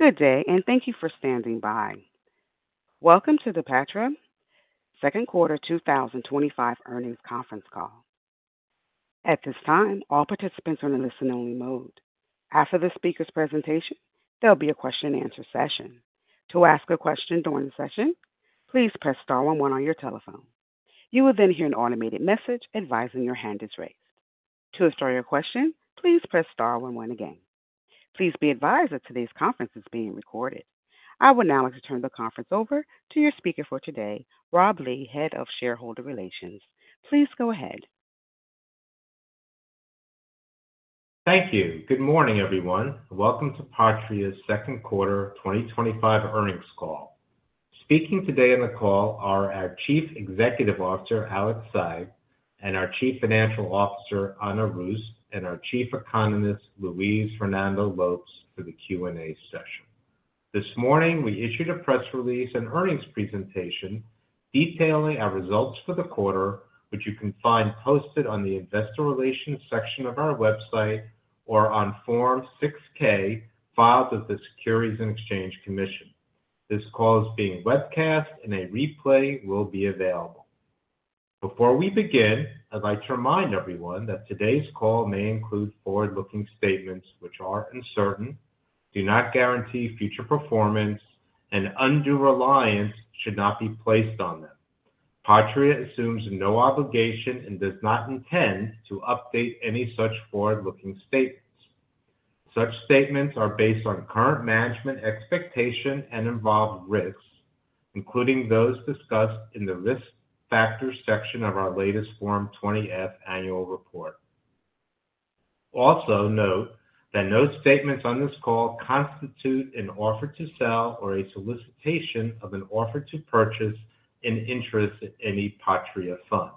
Good day, and thank you for standing by. Welcome to the Patria second quarter 2025 earnings conference call. At this time, all participants are in a listen-only mode. After the speaker's presentation, there will be a question-and-answer session. To ask a question during the session, please press star and one on your telephone. You will then hear an automated message advising your hand is raised. To start your question, please press star and one again. Please be advised that today's conference is being recorded. I would now like to turn the conference over to your speaker for today, Rob Lee, Head of Shareholder Relations. Please go ahead. Thank you. Good morning, everyone. Welcome to Patria's second quarter 2025 earnings call. Speaking today on the call are our Chief Executive Officer, Alex Saigh, our Chief Financial Officer, Ana Russo, and our Chief Economist, Luis Fernando Lopes, for the Q&A session. This morning, we issued a press release and earnings presentation detailing our results for the quarter, which you can find posted on the Investor Relations section of our website or on Form 6-K filed with the Securities and Exchange Commission. This call is being webcast, and a replay will be available. Before we begin, I'd like to remind everyone that today's call may include forward-looking statements which are uncertain, do not guarantee future performance, and undue reliance should not be placed on them. Patria assumes no obligation and does not intend to update any such forward-looking statements. Such statements are based on current management expectations and involve risks, including those discussed in the Risk Factors section of our latest Form 20-F Annual Report. Also, note that no statements on this call constitute an offer to sell or a solicitation of an offer to purchase an interest in any Patria fund.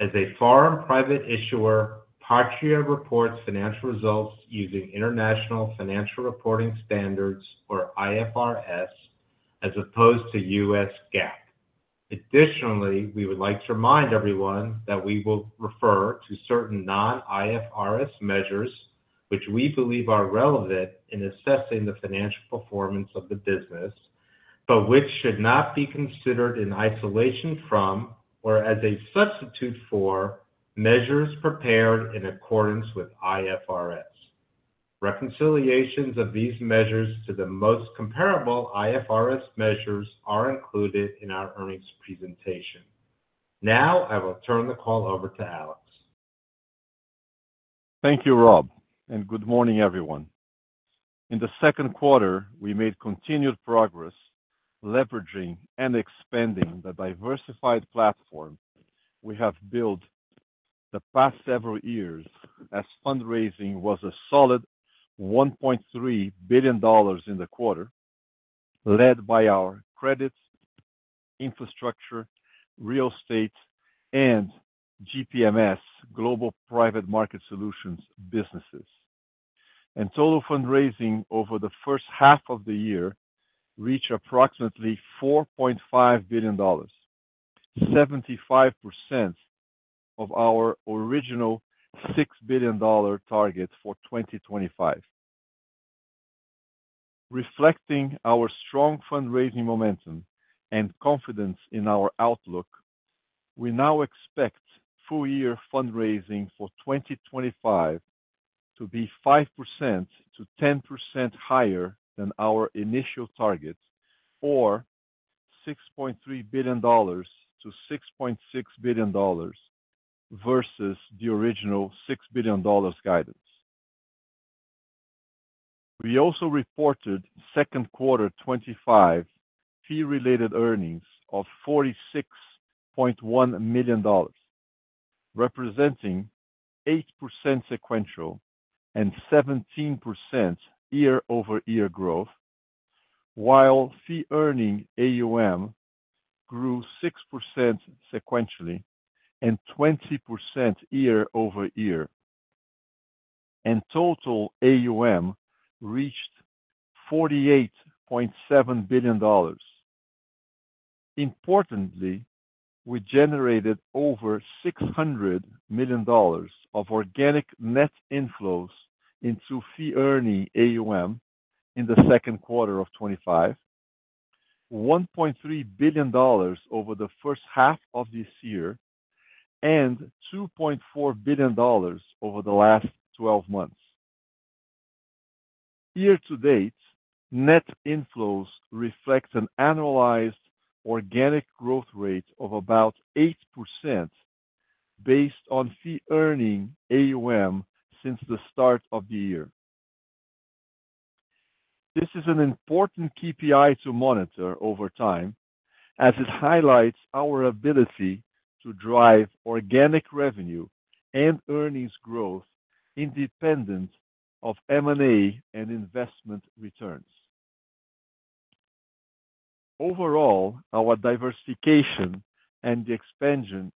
As a foreign private issuer, Patria reports financial results using International Financial Reporting Standards, or IFRS, as opposed to U.S. GAAP. Additionally, we would like to remind everyone that we will refer to certain non-IFRS measures which we believe are relevant in assessing the financial performance of the business, but which should not be considered in isolation from or as a substitute for measures prepared in accordance with IFRS. Reconciliations of these measures to the most comparable IFRS measures are included in our earnings presentation. Now, I will turn the call over to Alex. Thank you, Rob, and good morning, everyone. In the second quarter, we made continued progress leveraging and expanding the diversified platform we have built the past several years, as fundraising was a solid $1.3 billion in the quarter, led by our Credit, Infrastructure, Real Estate, and GPMS Global Private Markets Solutions businesses. In total, fundraising over the first half of the year, we reached approximately $4.5 billion, 75% of our original $6 billion target for 2025. Reflecting our strong fundraising momentum and confidence in our outlook, we now expect full-year fundraising for 2025 to be 5%-10% higher than our initial target, or $6.3 billion-$6.6 billion versus the original $6 billion guidance. We also reported second quarter 2025 fee-related earnings of $46.1 million, representing 8% sequential and 17% year-over-year growth, while fee-earning AUM grew 6% sequentially and 20% year-over-year, and total AUM reached $48.7 billion. Importantly, we generated over $600 million of organic net inflows into fee-earning AUM in the second quarter of 2025, $1.3 billion over the first half of this year, and $2.4 billion over the last 12 months. Year-to-date, net inflows reflect an annualized organic growth rate of about 8% based on fee-earning AUM since the start of the year. This is an important KPI to monitor over time, as it highlights our ability to drive organic revenue and earnings growth independent of M&A activity and investment returns. Overall, our diversification and the expansion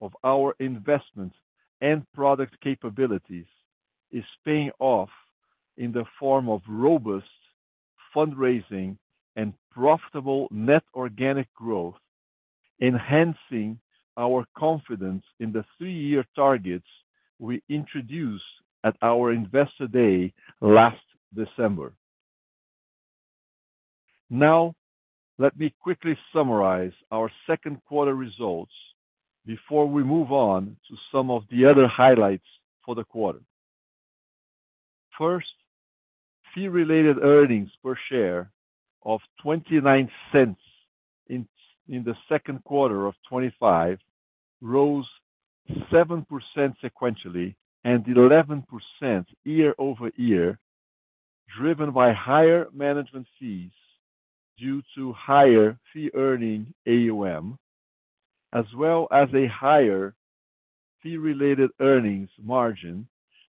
of our investments and product capabilities is paying off in the form of robust fundraising and profitable net organic growth, enhancing our confidence in the three-year targets we introduced at our Investor Day last December. Now, let me quickly summarize our second quarter results before we move on to some of the other highlights for the quarter. First, fee-related earnings per share of $0.29 in the second quarter of 2025 rose 7% sequentially and 11% year-over-year, driven by higher management fees due to higher fee-earning AUM, as well as a higher fee-related earnings margin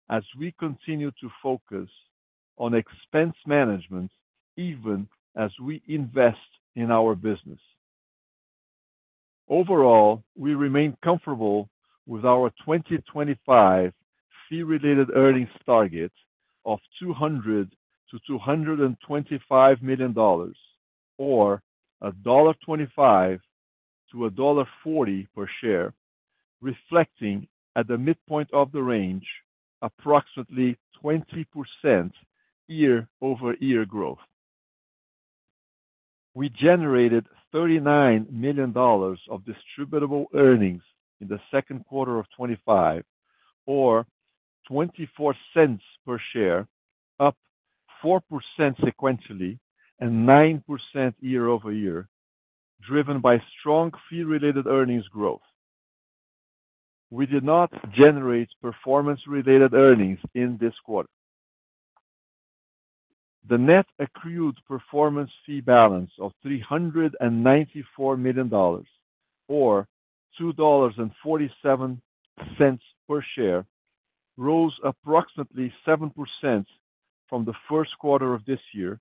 as we continue to focus on expense management, even as we invest in our business. Overall, we remain comfortable with our 2025 fee-related earnings target of $200 million-$225 million, or $1.25-$1.40 per share, reflecting at the midpoint of the range, approximately 20% year-over-year growth. We generated $39 million of distributable earnings in the second quarter of 2025, or $0.24 per share, up 4% sequentially and 9% year-over-year, driven by strong fee-related earnings growth. We did not generate performance-related earnings in this quarter. The net accrued performance fee balance of $394 million, or $2.47 per share, rose approximately 7% from the first quarter of this year,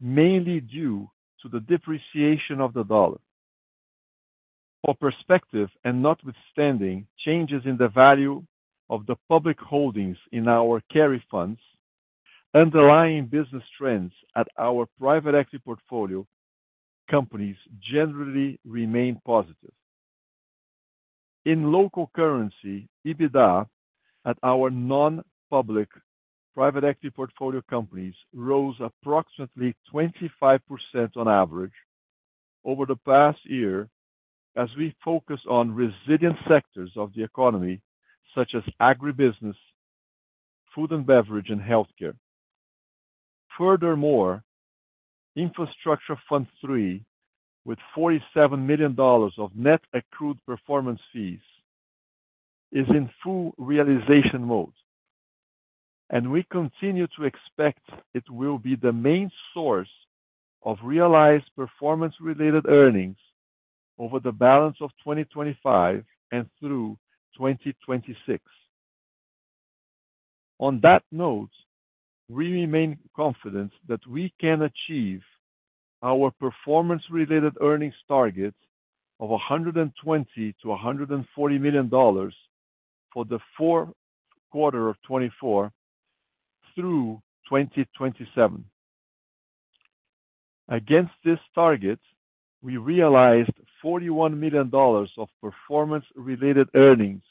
mainly due to the depreciation of the dollar. For perspective, and notwithstanding changes in the value of the public holdings in our carry funds, underlying business trends at our private equity portfolio companies generally remain positive. In local currency, EBITDA at our non-public private equity portfolio companies rose approximately 25% on average over the past year, as we focus on resilient sectors of the economy, such as agribusiness, food and beverage, and healthcare. Furthermore, Infrastructure Fund III, with $47 million of net accrued performance fees, is in full realization mode, and we continue to expect it will be the main source of realized performance-related earnings over the balance of 2025 and through 2026. On that note, we remain confident that we can achieve our performance-related earnings targets of $120 to $140 million for the fourth quarter of 2024 through 2027. Against this target, we realized $41 million of performance-related earnings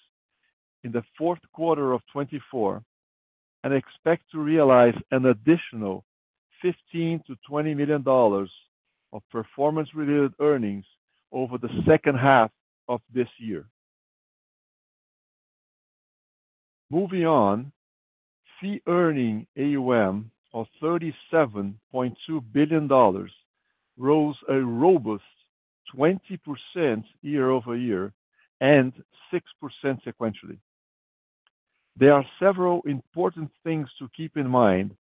in the fourth quarter of 2024 and expect to realize an additional $15 to $20 million of performance-related earnings over the second half of this year. Moving on, fee-earning AUM of $37.2 billion rose a robust 20% year-over-year and 6% sequentially. There are several important things to keep in mind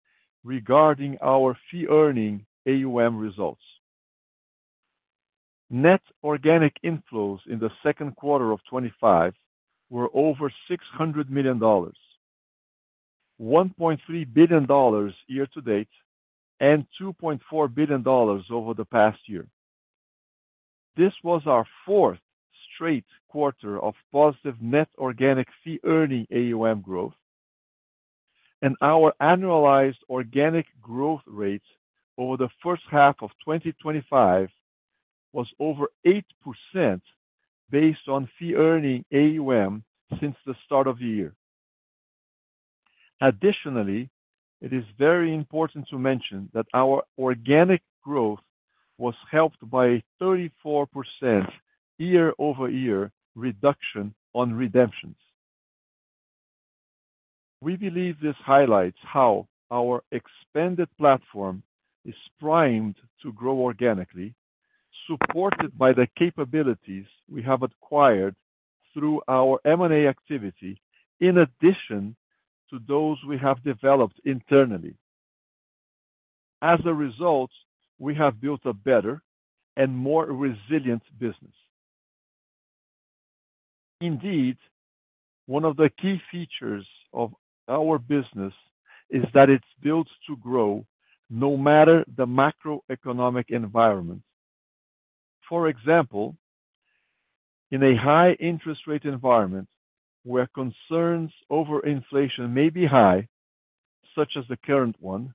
regarding our fee-earning AUM results. Net organic inflows in the second quarter of 2025 were over $600 million, $1.3 billion year-to-date, and $2.4 billion over the past year. This was our fourth straight quarter of positive net organic fee-earning AUM growth, and our annualized organic growth rate over the first half of 2025 was over 8% based on fee-earning AUM since the start of the year. Additionally, it is very important to mention that our organic growth was helped by a 34% year-over-year reduction on redemptions. We believe this highlights how our expanded platform is primed to grow organically, supported by the capabilities we have acquired through our M&A activity, in addition to those we have developed internally. As a result, we have built a better and more resilient business. Indeed, one of the key features of our business is that it's built to grow no matter the macroeconomic environment. For example, in a high-interest rate environment where concerns over inflation may be high, such as the current one,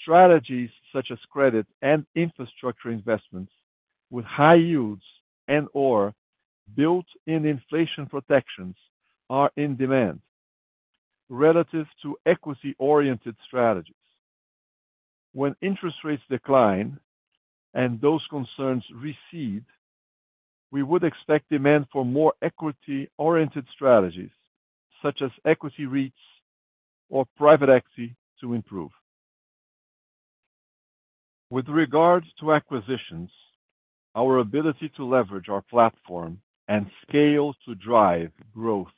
strategies such as credit and infrastructure investments with high yields and/or built-in inflation protections are in demand relative to equity-oriented strategies. When interest rates decline and those concerns recede, we would expect demand for more equity-oriented strategies, such as equity REITs or private equity, to improve. With regard to acquisitions, our ability to leverage our platform and scale to drive growth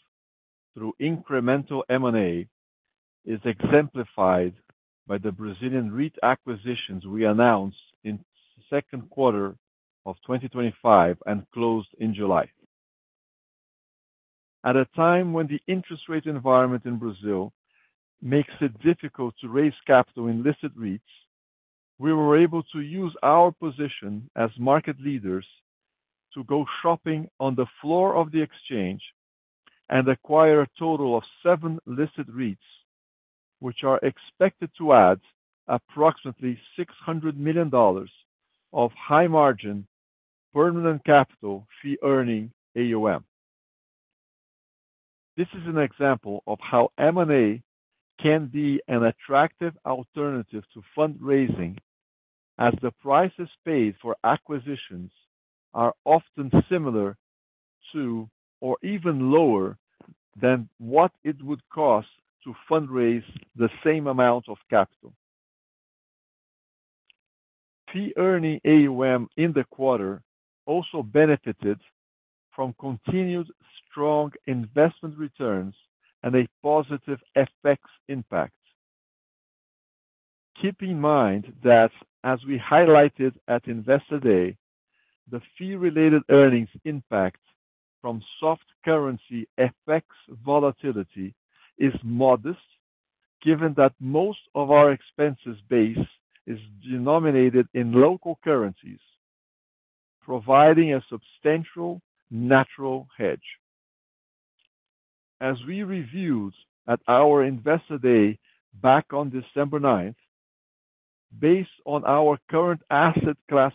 through incremental M&A is exemplified by the Brazilian REIT acquisitions we announced in the second quarter of 2025 and closed in July. At a time when the interest rate environment in Brazil makes it difficult to raise capital in listed REITs, we were able to use our position as market leaders to go shopping on the floor of the exchange and acquire a total of seven listed REITs, which are expected to add approximately $600 million of high-margin permanent capital fee-earning AUM. This is an example of how M&A can be an attractive alternative to fundraising, as the prices paid for acquisitions are often similar to or even lower than what it would cost to fundraise the same amount of capital. Fee-earning AUM in the quarter also benefited from continued strong investment returns and a positive FX impact. Keep in mind that, as we highlighted at Investor Day, the fee-related earnings impact from soft currency FX volatility is modest, given that most of our expenses base is denominated in local currencies, providing a substantial natural hedge. As we reviewed at our Investor Day back on December 9, based on our current asset class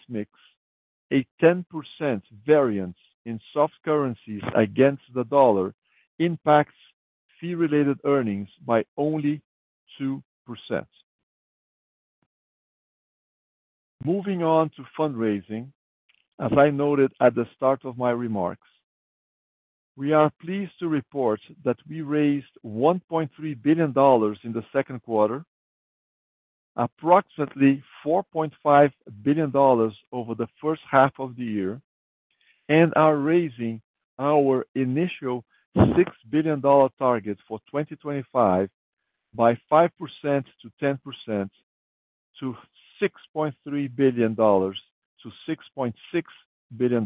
mix, a 10% variance in soft currencies against the dollar impacts fee-related earnings by only 2%. Moving on to fundraising, as I noted at the start of my remarks, we are pleased to report that we raised $1.3 billion in the second quarter, approximately $4.5 billion over the first half of the year, and are raising our initial $6 billion target for 2025 by 5%-10%, to $6.3 billion-$6.6 billion.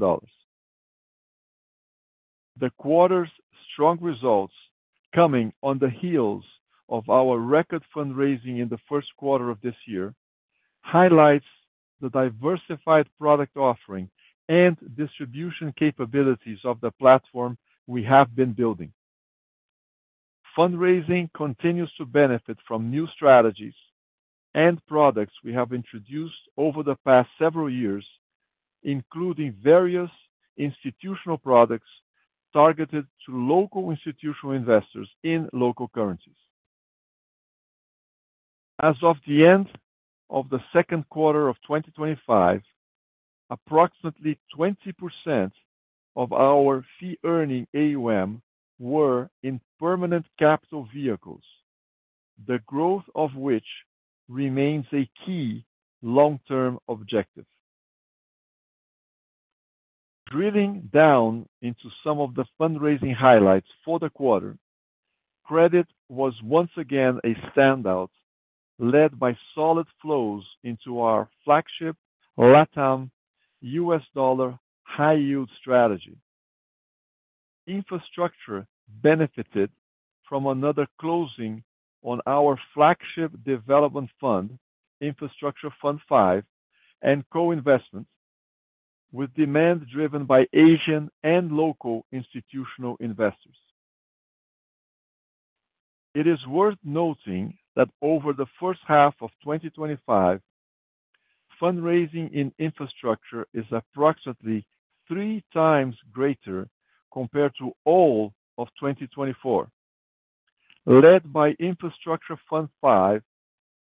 The quarter's strong results, coming on the heels of our record fundraising in the first quarter of this year, highlight the diversified product offering and distribution capabilities of the platform we have been building. Fundraising continues to benefit from new strategies and products we have introduced over the past several years, including various institutional products targeted to local institutional investors in local currencies. As of the end of the second quarter of 2025, approximately 20% of our fee-earning AUM were in permanent capital vehicles, the growth of which remains a key long-term objective. Drilling down into some of the fundraising highlights for the quarter, Credit was once again a standout, led by solid flows into our flagship LATAM U.S. dollar high-yield strategy. Infrastructure benefited from another closing on our flagship development fund, Infrastructure Fund V, and co-investments, with demand driven by Asian and local institutional investors. It is worth noting that over the first half of 2025, fundraising in Infrastructure is approximately 3x greater compared to all of 2024, led by Infrastructure Fund V,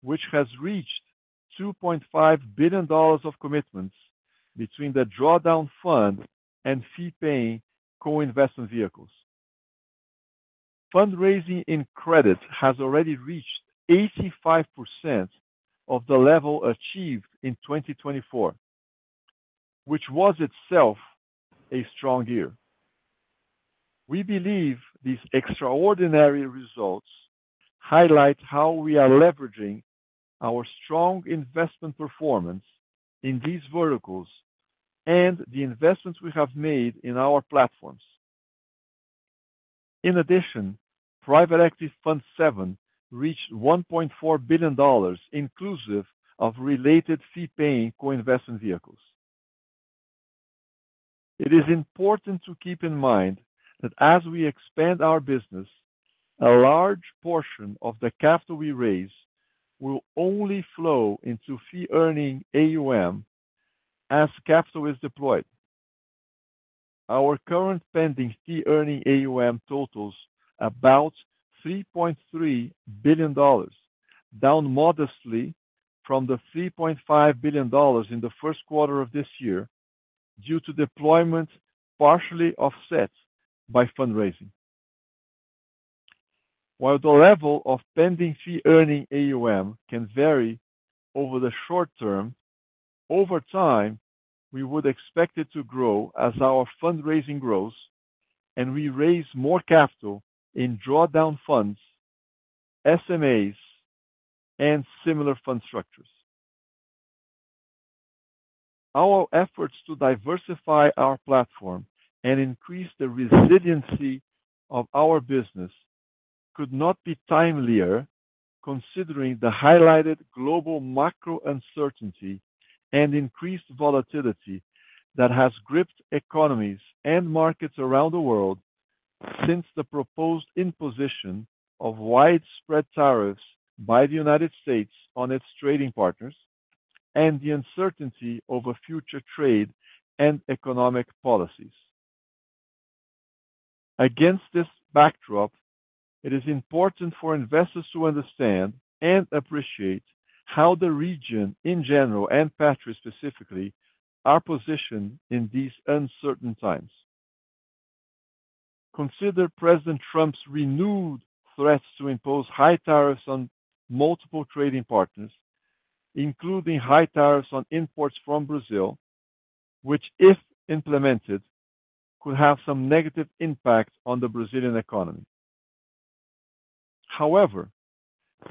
which has reached $2.5 billion of commitments between the drawdown fund and fee-paying co-investment vehicles. Fundraising in Credit has already reached 85% of the level achieved in 2024, which was itself a strong year. We believe these extraordinary results highlight how we are leveraging our strong investment performance in these verticals and the investments we have made in our platforms. In addition, Private Equity Fund VII reached $1.4 billion, inclusive of related fee-paying co-investment vehicles. It is important to keep in mind that as we expand our business, a large portion of the capital we raise will only flow into fee-earning AUM as capital is deployed. Our current pending fee-earning AUM totals about $3.3 billion, down modestly from the $3.5 billion in the first quarter of this year due to deployment partially offset by fundraising. While the level of pending fee-earning AUM can vary over the short-term, over time, we would expect it to grow as our fundraising grows and we raise more capital in drawdown funds, SMAs, and similar fund structures. Our efforts to diversify our platform and increase the resiliency of our business could not be timelier, considering the highlighted global macro uncertainty and increased volatility that has gripped economies and markets around the world since the proposed imposition of widespread tariffs by the United States on its trading partners and the uncertainty over future trade and economic policies. Against this backdrop, it is important for investors to understand and appreciate how the region in general and Patria specifically are positioned in these uncertain times. Consider President Trump's renewed threats to impose high tariffs on multiple trading partners, including high tariffs on imports from Brazil, which, if implemented, could have some negative impact on the Brazilian economy. However,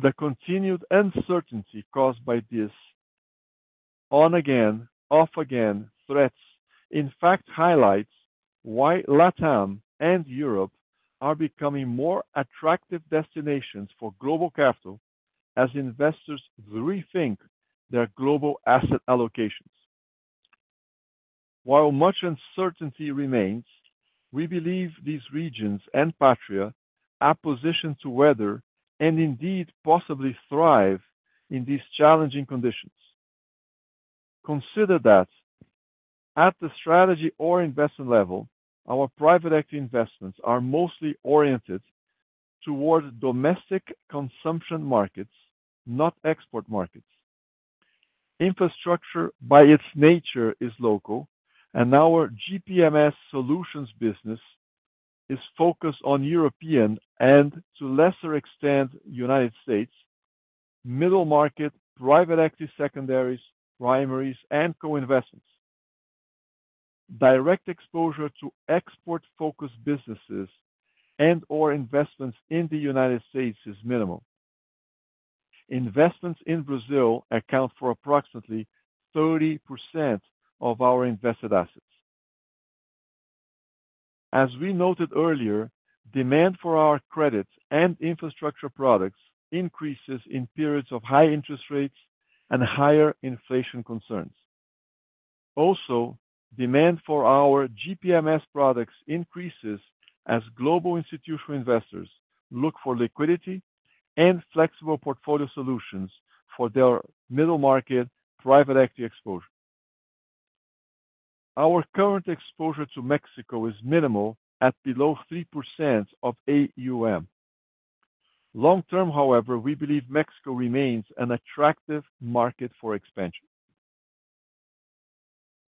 the continued uncertainty caused by these on again, off again threats, in fact, highlights why LATAM and Europe are becoming more attractive destinations for global capital as investors rethink their global asset allocations. While much uncertainty remains, we believe these regions and Patria are positioned to weather and indeed possibly thrive in these challenging conditions. Consider that, at the strategy or investment level, our private equity investments are mostly oriented toward domestic consumption markets, not export markets. Infrastructure, by its nature, is local, and our GPMS solution business is focused on European and, to a lesser extent, United States, middle market, private equity secondaries, primaries, and co-investments. Direct exposure to export-focused businesses and/or investments in the United States is minimal. Investments in Brazil account for approximately 30% of our invested assets. As we noted earlier, demand for our credit and infrastructure products increases in periods of high interest rates and higher inflation concerns. Also, demand for our GPMS products increases as global institutional investors look for liquidity and flexible portfolio solutions for their middle market private equity exposure. Our current exposure to Mexico is minimal, at below 3% of AUM. Long-term, however, we believe Mexico remains an attractive market for expansion.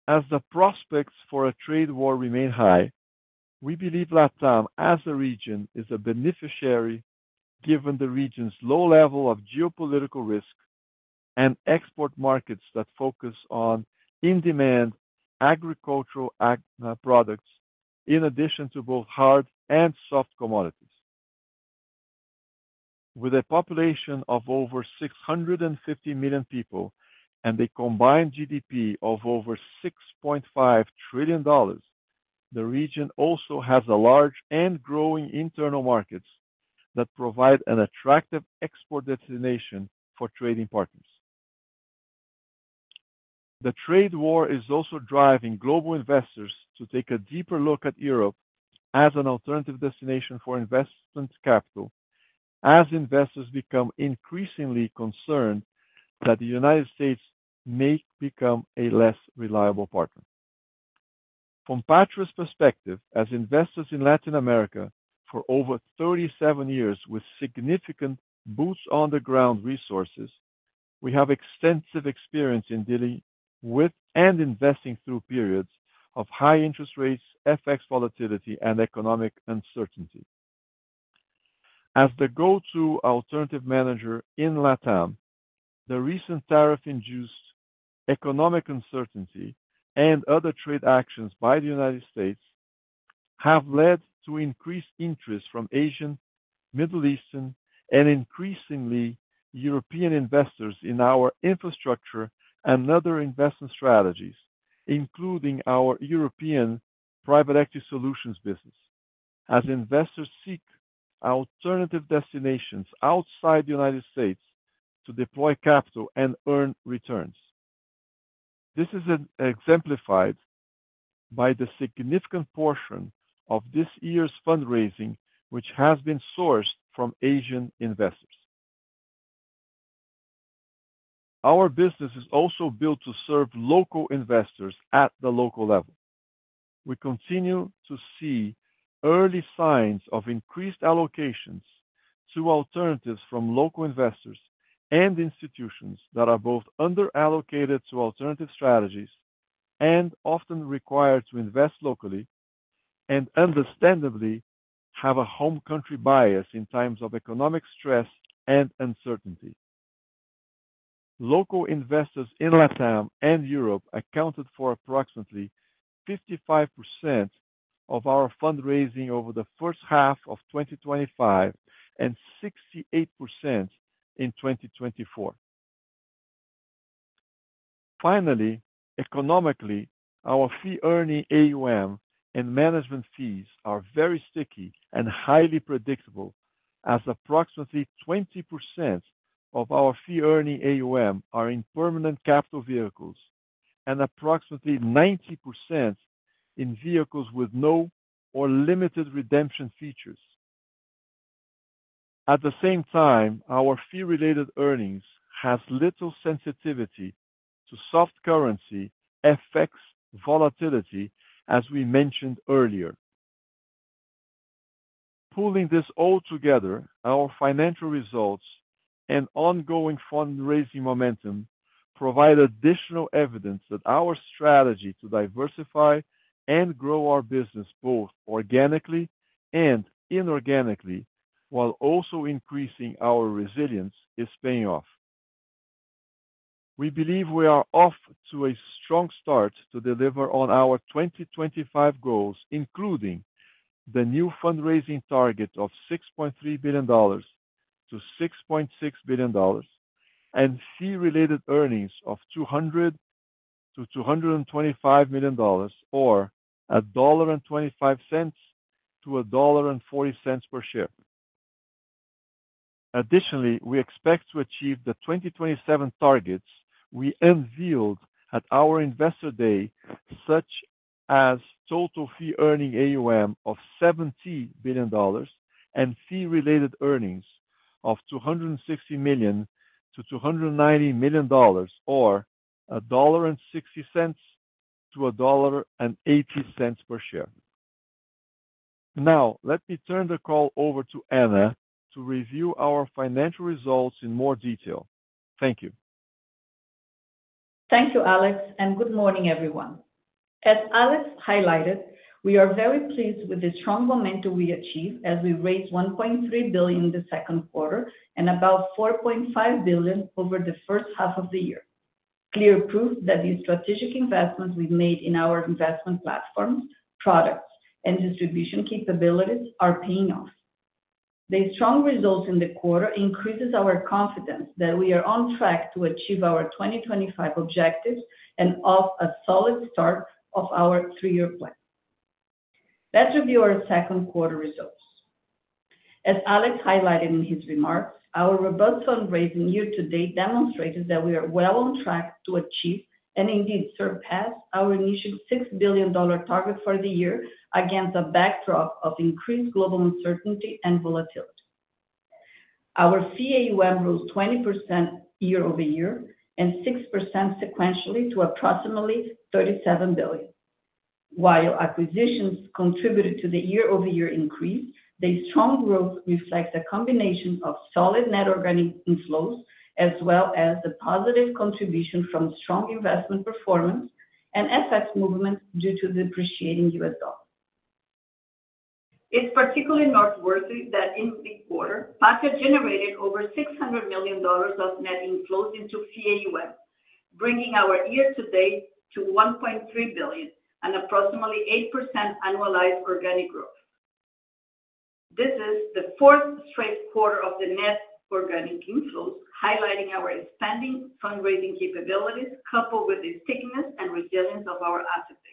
As the prospects for a trade war remain high, we believe LATAM as a region is a beneficiary, given the region's low level of geopolitical risk and export markets that focus on in-demand agricultural products in addition to both hard and soft commodities. With a population of over 650 million people and a combined GDP of over $6.5 trillion, the region also has a large and growing internal market that provides an attractive export destination for trading partners. The trade war is also driving global investors to take a deeper look at Europe as an alternative destination for investment capital, as investors become increasingly concerned that the United States may become a less reliable partner. From Patria's perspective, as investors in Latin America for over 37 years with significant boots-on-the-ground resources, we have extensive experience in dealing with and investing through periods of high interest rates, FX volatility, and economic uncertainty. As the go-to alternative manager in LATAM, the recent tariff-induced economic uncertainty and other trade actions by the United States. have led to increased interest from Asian, Middle Eastern, and increasingly European investors in our Infrastructure and other investment strategies, including our European private equity solutions business, as investors seek alternative destinations outside the United States to deploy capital and earn returns. This is exemplified by the significant portion of this year's fundraising, which has been sourced from Asian investors. Our business is also built to serve local investors at the local level. We continue to see early signs of increased allocations to alternatives from local investors and institutions that are both under-allocated to alternative strategies and often required to invest locally and, understandably, have a home country bias in times of economic stress and uncertainty. Local investors in LATAM and Europe accounted for approximately 55% of our fundraising over the first half of 2025 and 68% in 2024. Finally, economically, our fee-earning AUM and management fees are very sticky and highly predictable, as approximately 20% of our fee-earning AUM are in permanent capital vehicles and approximately 90% in vehicles with no or limited redemption features. At the same time, our fee-related earnings have little sensitivity to soft currency FX volatility, as we mentioned earlier. Pulling this all together, our financial results and ongoing fundraising momentum provide additional evidence that our strategy to diversify and grow our business both organically and inorganically, while also increasing our resilience, is paying off. We believe we are off to a strong start to deliver on our 2025 goals, including the new fundraising target of $6.3 billion-$6.6 billion and fee-related earnings of $200 million-$225 million, or $1.25-$1.40 per share. Additionally, we expect to achieve the 2027 targets we unveiled at our Investor Day, such as total fee-earning AUM of $70 billion and fee-related earnings of $260 million-$290 million, or $1.60-$1.80 per share. Now, let me turn the call over to Ana to review our financial results in more detail. Thank you. Thank you, Alex, and good morning, everyone. As Alex highlighted, we are very pleased with the strong momentum we achieved as we raised $1.3 billion in the second quarter and about $4.5 billion over the first half of the year. Clear proof that the strategic investments we've made in our Investment platforms, Products, and Distribution capabilities are paying off. The strong results in the quarter increase our confidence that we are on track to achieve our 2025 objectives and off a solid start of our three-year plan. Let's review our second quarter results. As Alex highlighted in his remarks, our robust fundraising year-to-date demonstrates that we are well on track to achieve and indeed surpass our initial $6 billion target for the year against a backdrop of increased global uncertainty and volatility. Our fee AUM rose 20% year-over-year and 6% sequentially to approximately $37 billion. While acquisitions contributed to the year-over-year increase, the strong growth reflects a combination of solid net organic inflows as well as the positive contribution from strong investment performance and FX movements due to the depreciating U.S. dollar. It's particularly noteworthy that in the quarter, Patria generated over $600 million of net inflows into fee AUM, bringing our year-to-date to $1.3 billion and approximately 8% annualized organic growth. This is the fourth straight quarter of the net organic inflows, highlighting our expanding fundraising capabilities, coupled with the stickiness and resilience of our asset base.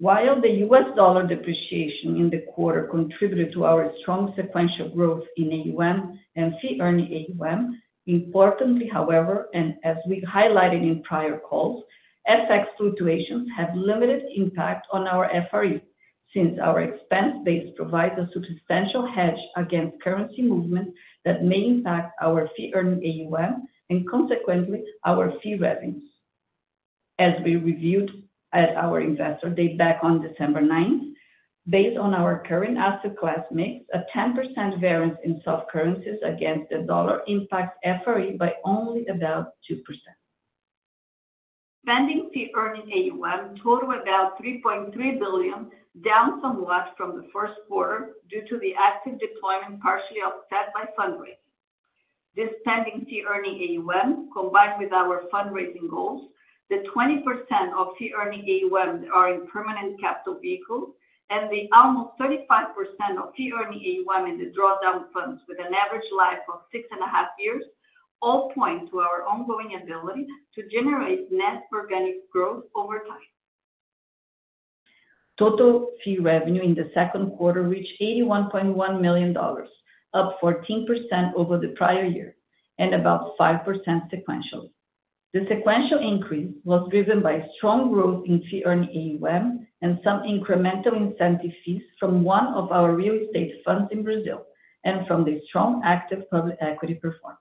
While the U.S. dollar depreciation in the quarter contributed to our strong sequential growth in AUM and fee-earning AUM, importantly, however, and as we highlighted in prior calls, FX fluctuations have limited impact on our FRE since our expense base provides a substantial hedge against currency movements that may impact our fee-earning AUM and, consequently, our fee revenues. As we reviewed at our Investor Day back on December 9, based on our current asset class mix, a 10% variance in soft currencies against the Dollar impacts FRE by only about 2%. Pending fee-earning AUM totaled about $3.3 billion, down somewhat from the first quarter due to the active deployment partially offset by fundraising. This pending fee-earning AUM, combined with our fundraising goals, the 20% of fee-earning AUM that are in permanent capital vehicles, and the almost 35% of fee-earning AUM in the drawdown funds with an average life of six and a half years, all point to our ongoing ability to generate net organic growth over time. Total fee revenue in the second quarter reached $81.1 million, up 14% over the prior year and about 5% sequentially. The sequential increase was driven by strong growth in fee-earning AUM and some incremental incentive fees from one of our real estate funds in Brazil and from the strong active public equity performance.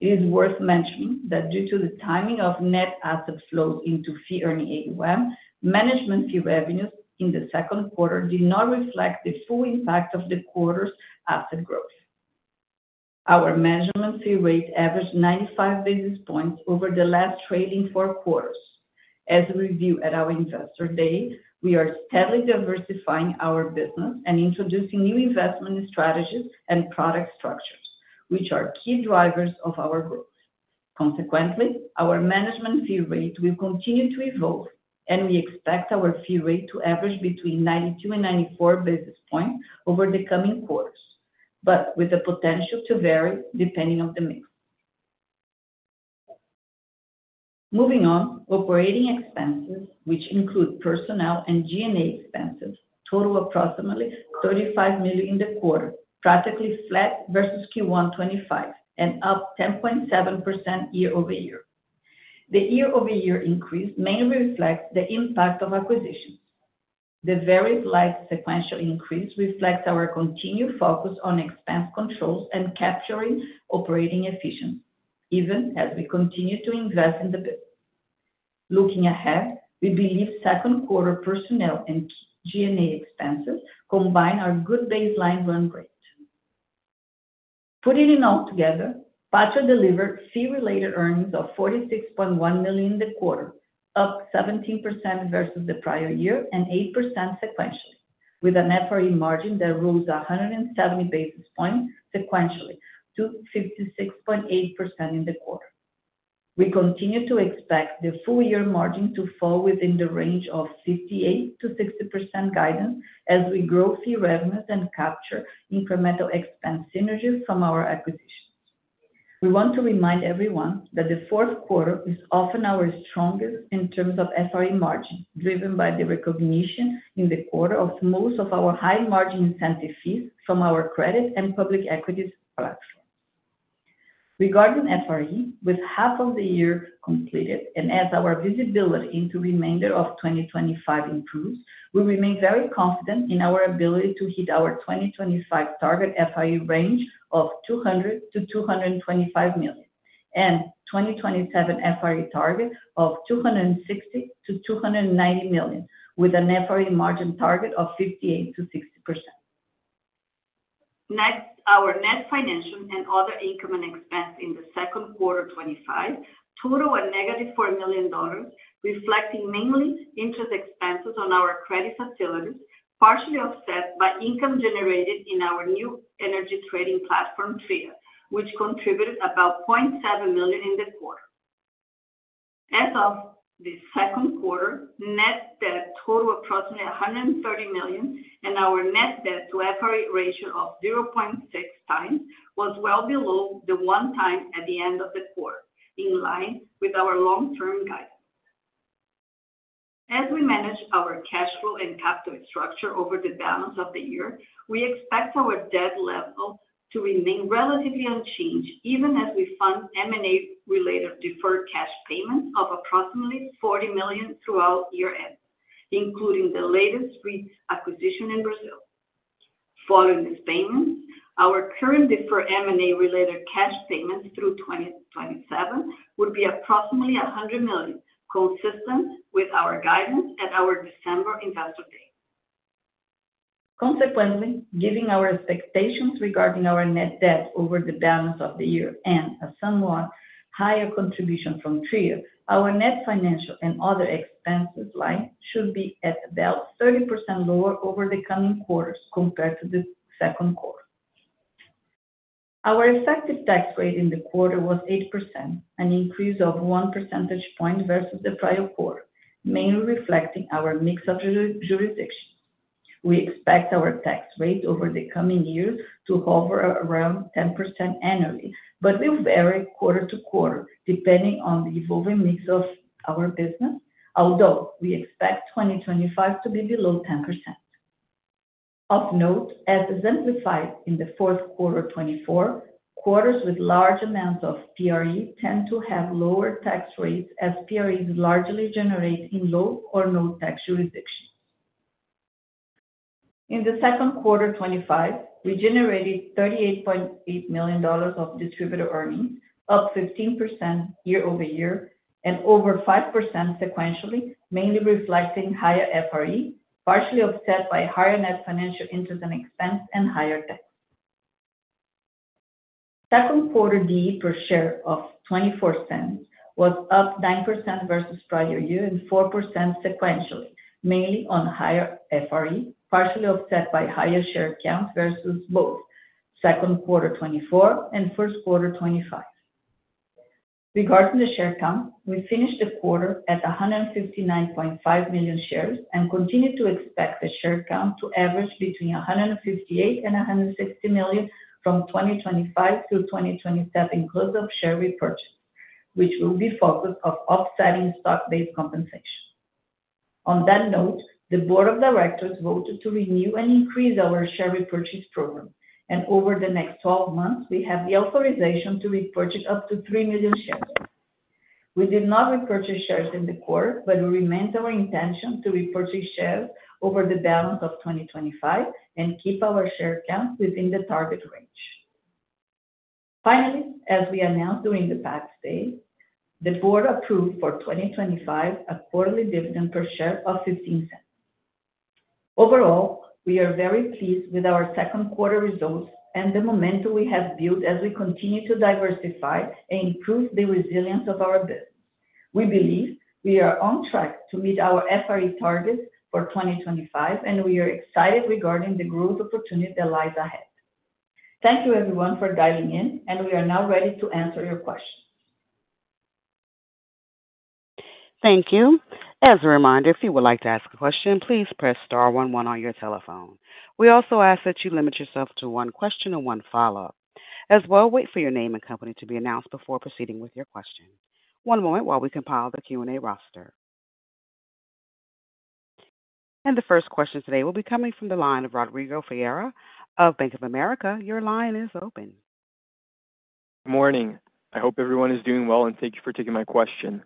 It is worth mentioning that due to the timing of net asset flows into fee-earning AUM, management fee revenues in the second quarter do not reflect the full impact of the quarter's asset growth. Our management fee rate averaged 95 basis points over the last trailing four quarters. As we reviewed at our Investor Day, we are steadily diversifying our business and introducing new investment strategies and product structures, which are key drivers of our growth. Consequently, our management fee rate will continue to evolve, and we expect our fee rate to average between 92 and 94 basis points over the coming quarters, but with the potential to vary depending on the mix. Moving on, operating expenses, which include personnel and G&A expenses, totaled approximately $35 million in the quarter, practically flat versus Q1 2025 and up 10.7% year-over-year. The year-over-year increase mainly reflects the impact of acquisitions. The very light sequential increase reflects our continued focus on expense controls and capturing operating efficiency, even as we continue to invest in the business. Looking ahead, we believe second quarter personnel and G&A expenses combine our good baseline run rate. Putting it all together, Patria delivered fee-related earnings of $46.1 million in the quarter, up 17% versus the prior year and 8% sequentially, with an FRE margin that rose 170 basis points sequentially to 56.8% in the quarter. We continue to expect the full-year margin to fall within the range of 58%-60% guidance as we grow fee revenues and capture incremental expense synergies from our acquisitions. We want to remind everyone that the fourth quarter is often our strongest in terms of FRE margin, driven by the recognition in the quarter of most of our high-margin incentive fees from our credit and public equities platforms. Regarding FRE, with half of the year completed and as our visibility into the remainder of 2025 improves, we remain very confident in our ability to hit our 2025 target FRE range of $200 million-$225 million and 2027 FRE target of $260 million-$290 million, with an FRE margin target of 58%-60%. Next, our net financial and other income and expense in the second quarter 2025 totaled at -$4 million, reflecting mainly interest expenses on our credit facilities, partially offset by income generated in our new energy trading platform, Tria, which contributed about $0.7 million in the quarter. As of the second quarter, net debt totaled approximately $130 million, and our net debt-to-FRE ratio of 0.6x was well below the one time at the end of the quarter, in line with our long-term guidance. As we manage our cash flow and capital structure over the balance of the year, we expect our debt level to remain relatively unchanged, even as we fund M&A-related deferred cash payments of approximately $40 million throughout year-end, including the latest REITs acquisition in Brazil. Following this payment, our current deferred M&A-related cash payments through 2027 would be approximately $100 million, consistent with our guidance at our December Investor Day. Consequently, given our expectations regarding our net debt over the balance of the year and a somewhat higher contribution from Tria, our net financial and other expenses line should be at about 30% lower over the coming quarters compared to the second quarter. Our effective tax rate in the quarter was 8%, an increase of 1 percentage point versus the prior quarter, mainly reflecting our mix of jurisdictions. We expect our tax rate over the coming years to hover around 10% annually, but will vary quarter to quarter depending on the evolving mix of our business, although we expect 2025 to be below 10%. Of note, as exemplified in the fourth quarter 2024, quarters with large amounts of FRE tend to have lower tax rates as FREs largely generate in low or no tax jurisdictions. In the second quarter 2025, we generated $38.8 million of distributor earnings, up 15% year-over-year and over 5% sequentially, mainly reflecting higher FRE, partially offset by higher net financial interest and expense and higher debt. Second quarter DE per share of $0.24 was up 9% versus prior year and 4% sequentially, mainly on higher FRE, partially offset by higher share count versus both second quarter 2024 and first quarter 2025. Regarding the share count, we finished the quarter at 159.5 million shares and continue to expect the share count to average between 158 million and 160 million from 2025 through 2027 close-up share repurchase, which will be a focus of offsetting stock-based compensation. On that note, the Board of Directors voted to renew and increase our share repurchase program, and over the next 12 months, we have the authorization to repurchase up to 3 million shares. We did not repurchase shares in the quarter, but it remains our intention to repurchase shares over the balance of 2025 and keep our share count within the target range. Finally, as we announced during the Patria Day, the Board approved for 2025 a quarterly dividend per share of $0.15. Overall, we are very pleased with our second quarter results and the momentum we have built as we continue to diversify and improve the resilience of our business. We believe we are on track to meet our FRE targets for 2025, and we are excited regarding the growth opportunity that lies ahead. Thank you, everyone, for dialing in, and we are now ready to answer your questions. Thank you. As a reminder, if you would like to ask a question, please press star one one on your telephone. We also ask that you limit yourself to one question and one follow-up. As well, wait for your name and company to be announced before proceeding with your question. One moment while we compile the Q&A roster. The first question today will be coming from the line of Rodrigo Ferreira of Bank of America. Your line is open. Morning. I hope everyone is doing well, and thank you for taking my question.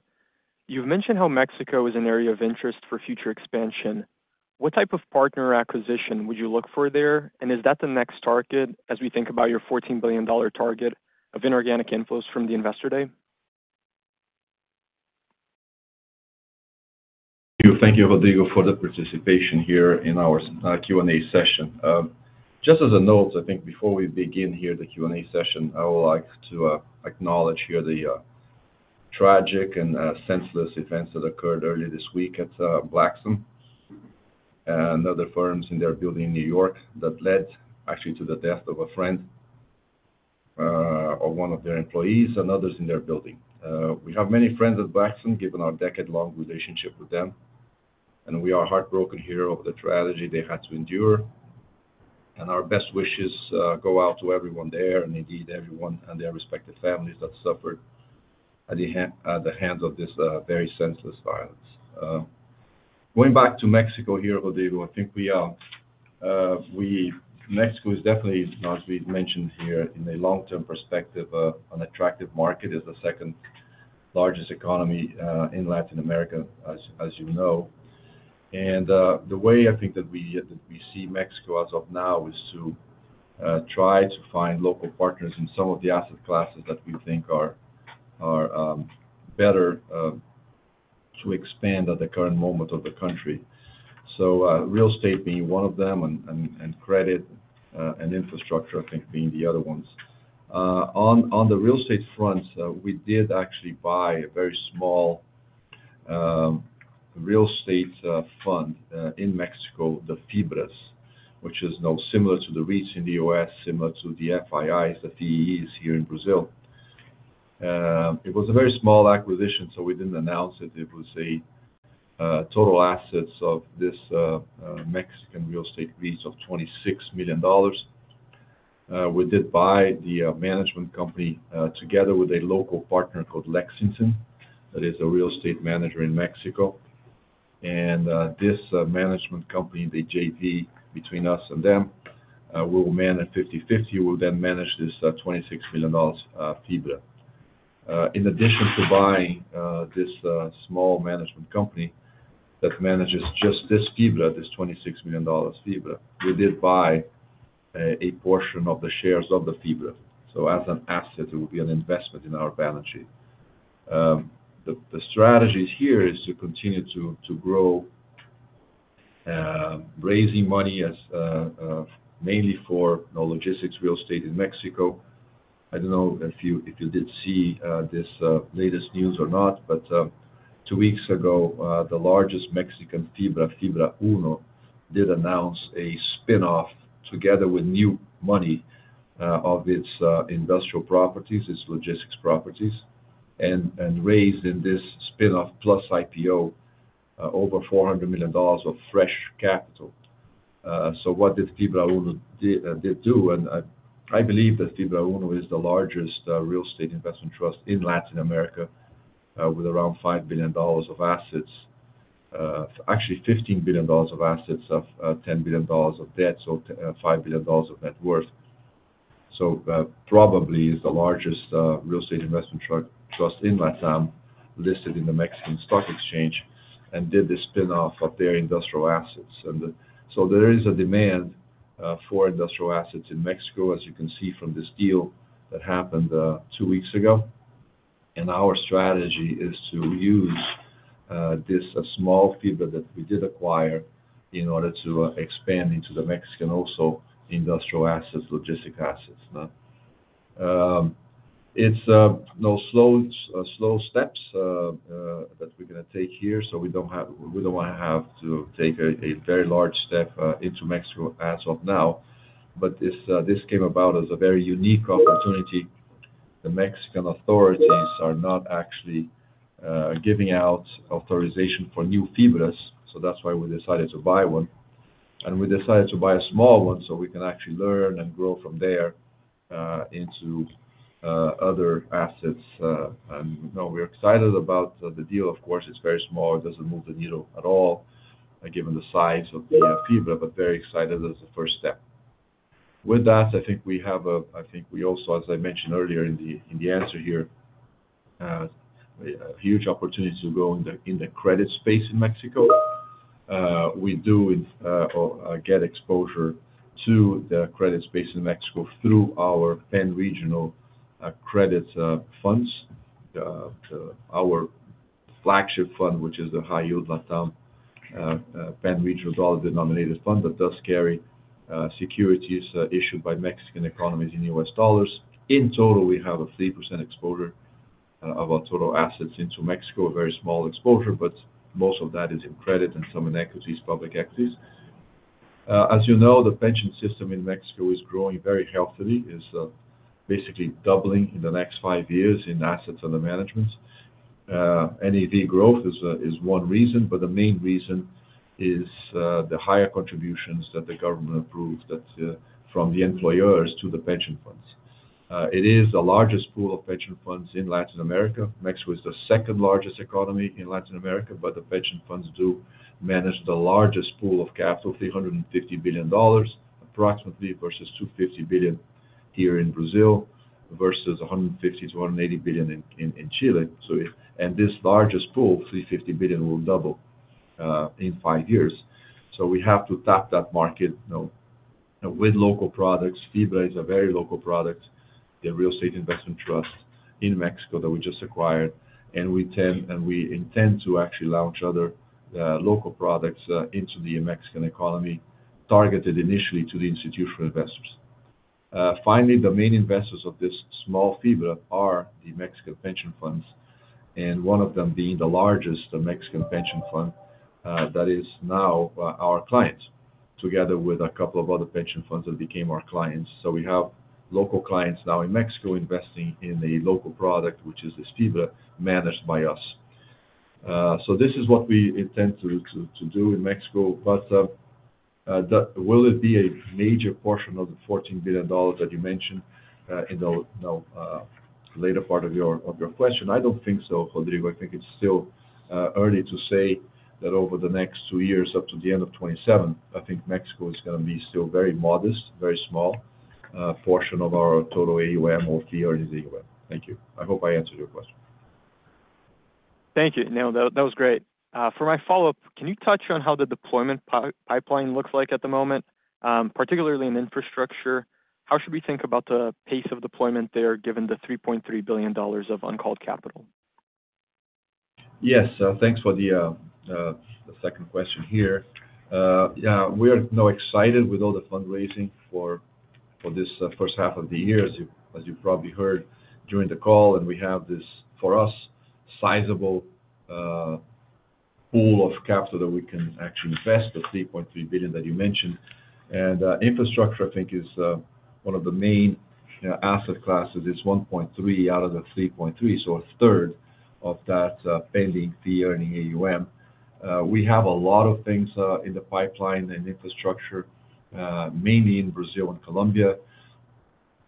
You've mentioned how Mexico is an area of interest for future expansion. What type of partner acquisition would you look for there, and is that the next target as we think about your $14 billion target of inorganic inflows from the Investor Day? Thank you, Rodrigo, for the participation here in our Q&A session. Just as a note, before we begin here the Q&A session, I would like to acknowledge the tragic and senseless events that occurred earlier this week at Blackstone and other firms in their building in New York that led to the death of a friend or one of their employees and others in their building. We have many friends at Blackstone, given our decade-long relationship with them, and we are heartbroken over the tragedy they had to endure. Our best wishes go out to everyone there, and indeed everyone and their respective families that suffered at the hands of this very senseless violence. Going back to Mexico, Rodrigo, Mexico is definitely, as we mentioned, in a long-term perspective, an attractive market as the second largest economy in Latin America, as you know. The way we see Mexico as of now is to try to find local partners in some of the asset classes that we think are better to expand at the current moment of the country. Real estate being one of them and credit and infrastructure being the other ones. On the real estate front, we did actually buy a very small real estate fund in Mexico, the Fibra, which is similar to the REITs in the U.S., similar to the FIIs here in Brazil. It was a very small acquisition, so we didn't announce it. The total assets of this Mexican real estate REIT were $26 million. We did buy the management company together with a local partner called Lexington that is a real estate manager in Mexico. This management company, the JV between us and them, we will manage 50/50. We will then manage this $26 million Fibra. In addition to buying this small management company that manages just this Fibra, this $26 million Fibra, we did buy a portion of the shares of the Fibra. As an asset, it will be an investment in our balance sheet. The strategy is to continue to grow, raising money mainly for logistics real estate in Mexico. I don't know if you did see this latest news or not, but two weeks ago, the largest Mexican Fibra, Fibra UNO, did announce a spin-off together with new money of its industrial properties, its logistics properties, and raised in this spin-off plus IPO over $400 million of fresh capital. What did Fibra UNO do? I believe that Fibra UNO is the largest real estate investment trust in Latin America with around $5 billion of assets, actually $15 billion of assets, $10 billion of debt, so $5 billion of net worth. It probably is the largest real estate investment trust in LATAM listed in the Mexican Stock Exchange and did the spin-off of their industrial assets. There is a demand for industrial assets in Mexico, as you can see from this deal that happened two weeks ago. Our strategy is to use this small Fibra that we did acquire in order to expand into the Mexican industrial assets, logistic assets. It's slow steps that we're going to take here, we don't want to have to take a very large step into Mexico as of now. This came about as a very unique opportunity. The Mexican authorities are not actually giving out authorization for new Fibras, that's why we decided to buy one. We decided to buy a small one so we can actually learn and grow from there into other assets. We're excited about the deal. Of course, it's very small. It doesn't move the needle at all given the size of the Fibra, but very excited as the first step. With that, I think we also, as I mentioned earlier in the answer here, have a huge opportunity to go in the credit space in Mexico. We do get exposure to the credit space in Mexico through our pan-regional credit funds, our flagship fund, which is the high-yield LATAM Pan-Regional Dollar Denominated Fund that does carry securities issued by Mexican economies in U.S. dollars. In total, we have a 3% exposure of our total assets into Mexico, a very small exposure, but most of that is in credit and some in equities, public equities. As you know, the pension system in Mexico is growing very healthily, is basically doubling in the next five years in assets under management. Net growth is one reason, but the main reason is the higher contributions that the government approves from the employers to the pension funds. It is the largest pool of pension funds in Latin America. Mexico is the second largest economy in Latin America, but the pension funds do manage the largest pool of capital, $350 billion approximately, versus $250 billion here in Brazil, versus $150 million-$180 billion in Chile. This largest pool of $350 billion will double in five years. We have to tap that market with local products. Fibra is a very local product, the real estate investment trust in Mexico that we just acquired. We intend to actually launch other local products into the Mexican economy, targeted initially to the institutional investors. Finally, the main investors of this small Fibra are the Mexican pension funds, and one of them being the largest Mexican pension fund that is now our client, together with a couple of other pension funds that became our clients. We have local clients now in Mexico investing in a local product, which is this Fibra managed by us. This is what we intend to do in Mexico. Will it be a major portion of the $14 billion that you mentioned in the later part of your question? I don't think so, Rodrigo. I think it's still early to say that over the next two years, up to the end of 2027, Mexico is going to be still a very modest, very small portion of our total AUM or fee-earning AUM. Thank you. I hope I answered your question. Thank you. No, that was great. For my follow-up, can you touch on how the deployment pipeline looks like at the moment, particularly in Infrastructure? How should we think about the pace of deployment there, given the $3.3 billion of uncalled capital? Yes. Thanks for the second question here. Yeah, we are now excited with all the fundraising for this first half of the year, as you probably heard during the call. We have this, for us, sizable pool of capital that we can actually invest, the $3.3 billion that you mentioned. Infrastructure, I think, is one of the main asset classes. It's $1.3 billion out of the $3.3 billion, so a third of that pending fee-earning AUM. We have a lot of things in the pipeline in Infrastructure, mainly in Brazil and Colombia,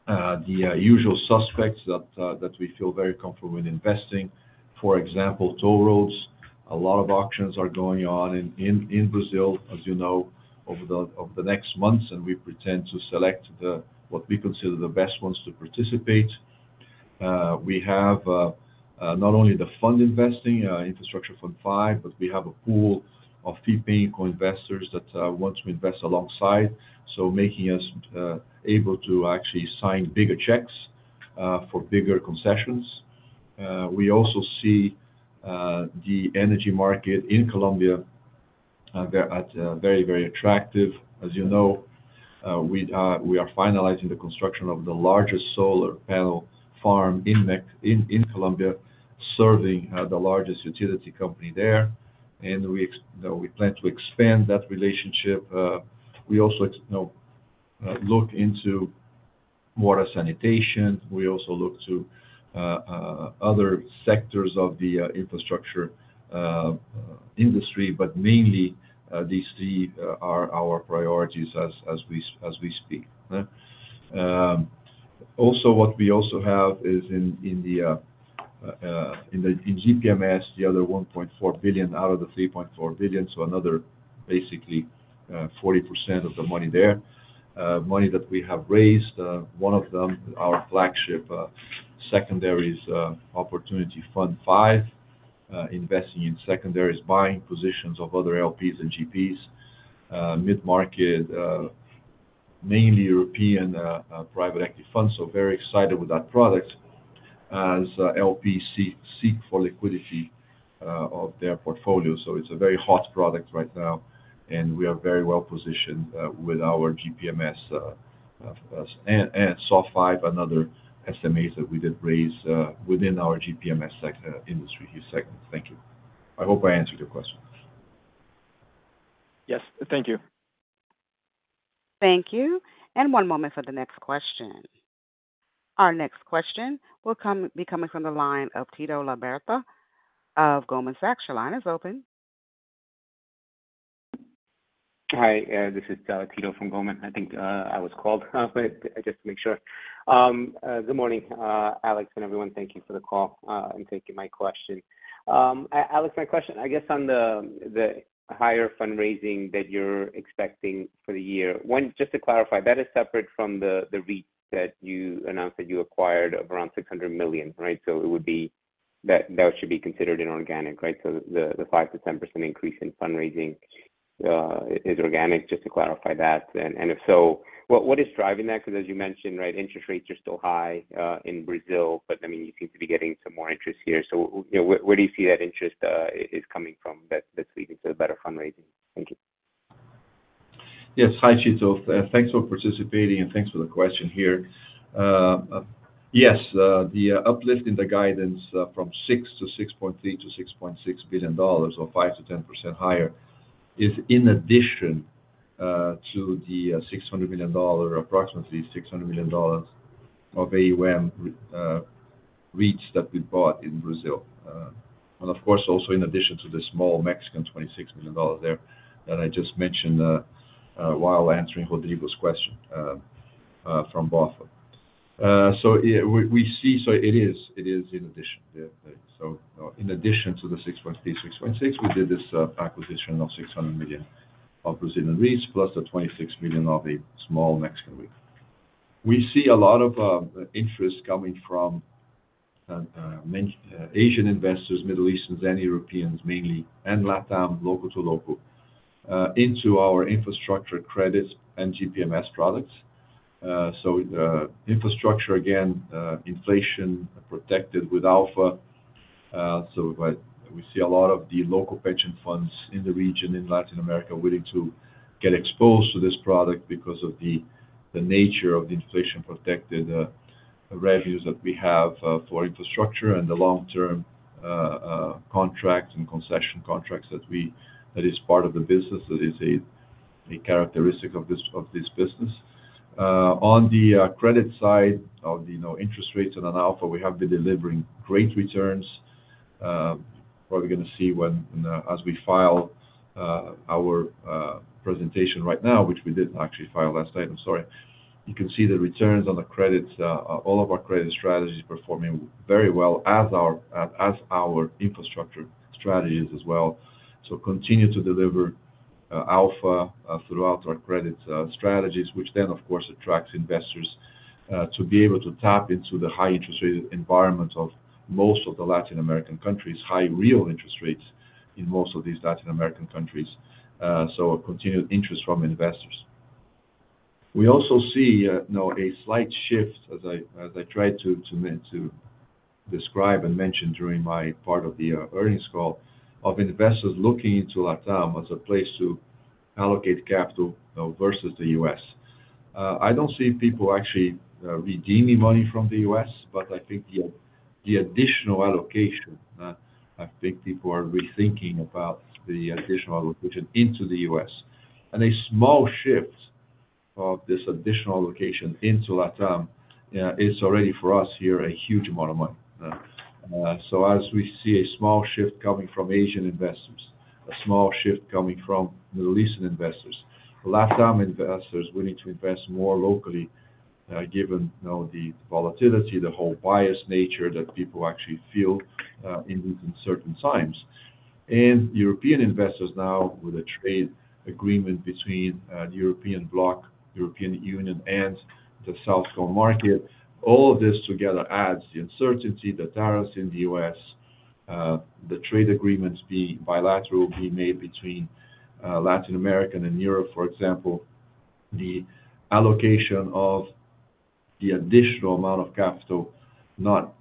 the usual suspects that we feel very comfortable in investing. For example, toll roads. A lot of auctions are going on in Brazil, as you know, over the next months, and we intend to select what we consider the best ones to participate. We have not only the fund investing, Infrastructure Fund V, but we have a pool of fee-paying co-investors that want to invest alongside, making us able to actually sign bigger checks for bigger concessions. We also see the energy market in Colombia as very, very attractive. As you know, we are finalizing the construction of the largest solar panel farm in Colombia, serving the largest utility company there, and we plan to expand that relationship. We also look into water sanitation. We also look to other sectors of the infrastructure industry, but mainly these three are our priorities as we speak. Also, what we have in GPMS, the other $1.4 billion out of the $3.3 billion, so another basically 40% of the money that we have raised. One of them, our flagship secondary opportunity, Fund V, investing in secondaries, buying positions of other LPs and GPs, mid-market, mainly European private equity funds. Very excited with that product as LPs seek liquidity of their portfolio. It's a very hot product right now, and we are very well positioned with our GPMS and SOF V, another SMA that we did raise within our GPMS segment. Thank you. I hope I answered your question. Yes, thank you. Thank you. One moment for the next question. Our next question will be coming from the line of Tito Labarta of Goldman Sachs. Your line is open. Hi. This is Tito from Goldman. I think I was called, just to make sure. Good morning, Alex, and everyone. Thank you for the call and taking my question. Alex, my question, I guess, on the higher fundraising that you're expecting for the year, just to clarify, that is separate from the REIT that you announced that you acquired of around $600 million, right? It would be that that should be considered inorganic, right? The 5%-10% increase in fundraising is organic, just to clarify that. If so, what is driving that? Because as you mentioned, interest rates are still high in Brazil, but you seem to be getting some more interest here. Where do you see that interest is coming from that's leading to the better fundraising? Thank you. Yes. Hi, Tito. Thanks for participating and thanks for the question here. Yes, the uplift in the guidance from $6.3 billion-$6.6 billion, so 5%-10% higher, is in addition to the $600 million, approximately $600 million of AUM REITs that we bought in Brazil. Of course, also in addition to the small Mexican $26 million there that I just mentioned while answering Rodrigo's question from BofA. It is in addition. In addition to the $6.3 billion-$6.6 billion, we did this acquisition of $600 million of Brazilian REITs plus the $26 million of a small Mexican Fibra. We see a lot of interest coming from Asian investors, Middle Easterns, and Europeans mainly, and LATAM, local-to-local, into our infrastructure credits and GPMS products. Infrastructure, again, inflation protected with aplha. We see a lot of the local pension funds in the region in Latin America willing to get exposed to this product because of the nature of the inflation-protected revenues that we have for infrastructure and the long-term contracts and concession contracts that is part of the business, that is a characteristic of this business. On the credit side of the interest rates and an alpha, we have been delivering great returns. You're probably going to see when as we file our presentation right now, which we did actually file last night, I'm sorry, you can see the returns on the credits, all of our credit strategies performing very well as our infrastructure strategies as well. Continue to deliver alpha throughout our credit strategies, which then, of course, attracts investors to be able to tap into the high-interest rate environment of most of the Latin American countries, high real interest rates in most of these Latin American countries, so a continued interest from investors. We also see a slight shift, as I tried to describe and mention during my part of the earnings call, of investors looking into LATAM as a place to allocate capital versus the U.S. I don't see people actually redeeming money from the U.S., but I think the additional allocation, I think people are rethinking about the additional allocation into the U.S. A small shift of this additional allocation into LATAM is already, for us here, a huge amount of money. As we see a small shift coming from Asian investors, a small shift coming from Middle Eastern investors, LATAM investors willing to invest more locally, given the volatility, the whole biased nature that people actually feel in these uncertain times. European investors now with a trade agreement between the European block, European Union and the South Coast market, all of this together adds the uncertainty, the tariffs in the U.S., the trade agreements being bilateral, being made between Latin America and Europe, for example, the allocation of the additional amount of capital, not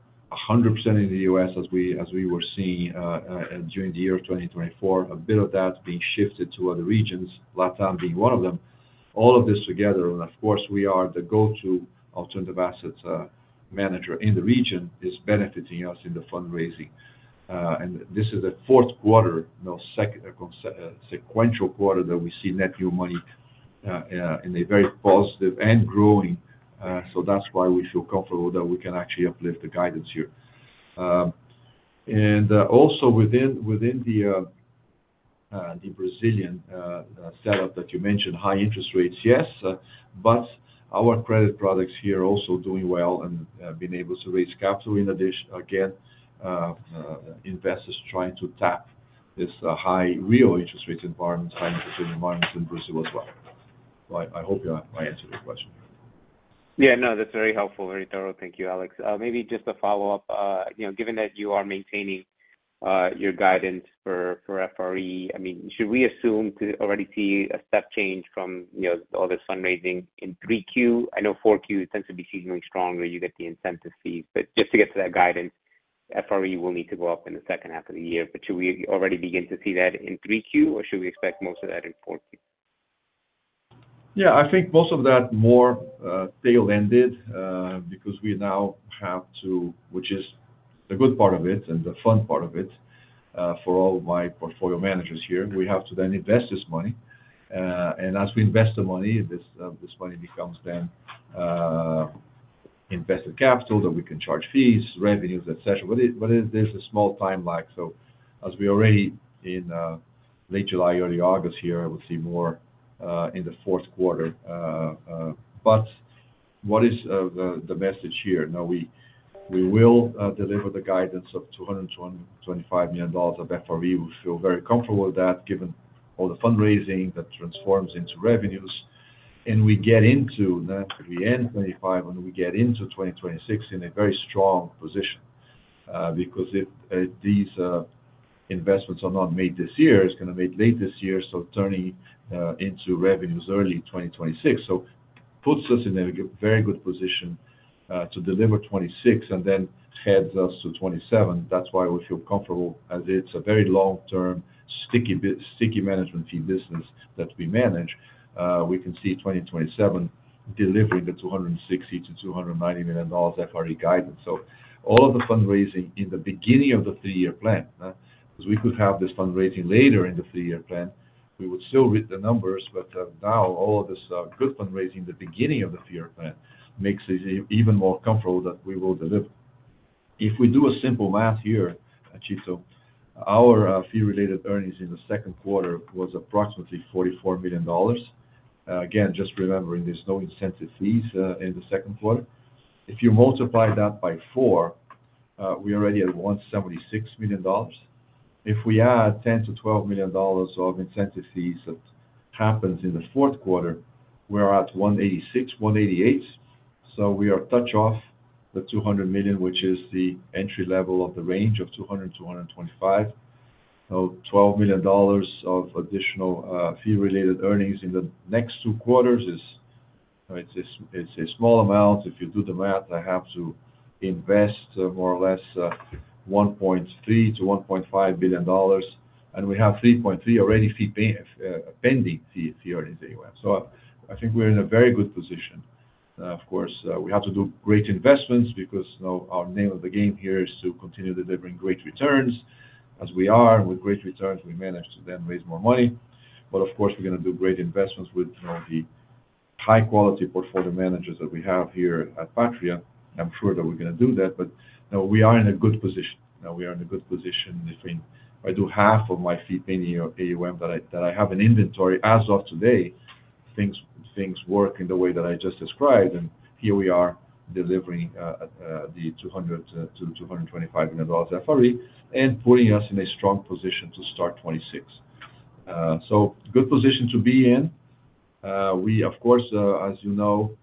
100% in the U.S. as we were seeing during the year of 2024, a bit of that being shifted to other regions, LATAM being one of them. All of this together, and of course, we are the go-to alternative assets manager in the region, is benefiting us in the fundraising. This is a fourth quarter, second sequential quarter that we see net new money in a very positive and growing. That's why we feel comfortable that we can actually uplift the guidance here. Also within the Brazilian setup that you mentioned, high interest rates, yes, but our credit products here are also doing well and being able to raise capital. In addition, again, investors trying to tap this high real interest rate environment, high interest rate environment in Brazil as well. I hope I answered your question here. Yeah. No, that's very helpful, very thorough. Thank you, Alex. Maybe just a follow-up. You know, given that you are maintaining your guidance for FRE, should we assume to already see a step change from all this fundraising in 3Q? I know 4Q tends to be seasonally strong where you get the incentive fees. Just to get to that guidance, FRE will need to go up in the second half of the year. Should we already begin to see that in 3Q, or should we expect most of that in 4Q? Yeah, I think most of that more tail-ended because we now have to, which is the good part of it and the fun part of it for all my portfolio managers here, we have to then invest this money. As we invest the money, this money becomes then invested capital that we can charge fees, revenues, etc. There is a small time lag. As we are already in late July, early August here, I will see more in the fourth quarter. What is the message here? No, we will deliver the guidance of $225 million of FRE. We feel very comfortable with that, given all the fundraising that transforms into revenues. We get into, we end 2025, and we get into 2026 in a very strong position because if these investments are not made this year, it is going to be late this year, so turning into revenues early in 2026. It puts us in a very good position to deliver 2026 and then heads us to 2027. That is why we feel comfortable as it is a very long-term, sticky management fee business that we manage. We can see 2027 delivering the $260 million-$290 million FRE guidance. All of the fundraising in the beginning of the three-year plan, because we could have this fundraising later in the three-year plan, we would still read the numbers. Now, all of this good fundraising in the beginning of the three-year plan makes it even more comfortable that we will deliver. If we do a simple math here, Tito, our fee-related earnings in the second quarter were approximately $44 million. Again, just remembering there are no incentive fees in the second quarter. If you multiply that by four, we are already at $176 million. If we add $10 million-$12 million of incentive fees that happen in the fourth quarter, we are at $186 million, $188 million. We are a touch off the $200 million, which is the entry level of the range of $200 million-$225 million. $12 million of additional fee-related earnings in the next two quarters is a small amount. If you do the math, I have to invest more or less $1.3 billion-$1.5 billion. We have $3.3 billion already fee paying pending fee earnings AUM. I think we are in a very good position. Of course, we have to do great investments because our name of the game here is to continue delivering great returns, as we are. With great returns, we manage to then raise more money. Of course, we are going to do great investments with the high-quality portfolio managers that we have here at Patria. I am sure that we are going to do that. We are in a good position. We are in a good position. If I do half of my fee-paying AUM that I have in inventory as of today, things work in the way that I just described. Here we are delivering the $200 million-$225 million FRE and putting us in a strong position to start 2026. A good position to be in. We, of course, as you know,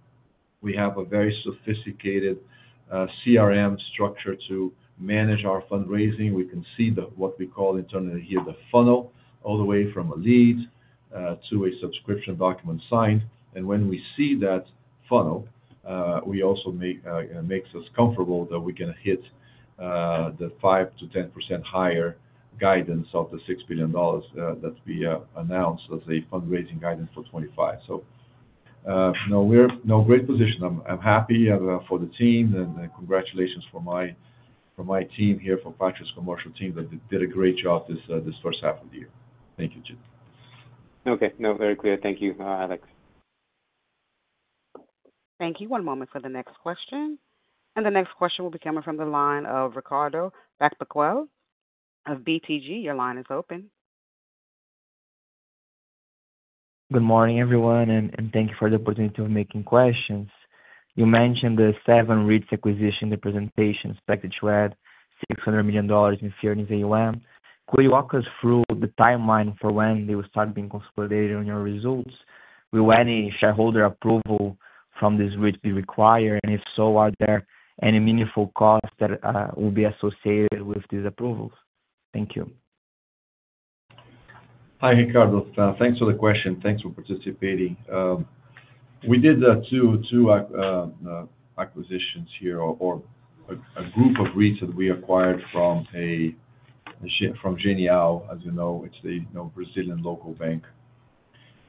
have a very sophisticated CRM structure to manage our fundraising. We can see what we call internally here the funnel, all the way from a lead to a subscription document signed. When we see that funnel, it also makes us comfortable that we can hit the 5%-10% higher guidance of the $6 billion that we announced as a fundraising guidance for 2025. We are in a great position. I'm happy for the team, and congratulations to my team here, to Patria's commercial team that did a great job this first half of the year. Thank you, Tito. Okay, no, very clear. Thank you, Alex. Thank you. One moment for the next question. The next question will be coming from the line of Ricardo Buchpiguel of BTG. Your line is open. Good morning, everyone, and thank you for the opportunity of making questions. You mentioned the seven REITs acquisition in the presentation expected to add $600 million in fee-earning AUM. Could you walk us through the timeline for when they will start being consolidated on your results? Will any shareholder approval from this REIT be required? If so, are there any meaningful costs that will be associated with these approvals? Thank you. Hi, Ricardo. Thanks for the question. Thanks for participating. We did two acquisitions here or a group of REITs that we acquired from Genial, as you know, it's the Brazilian local bank,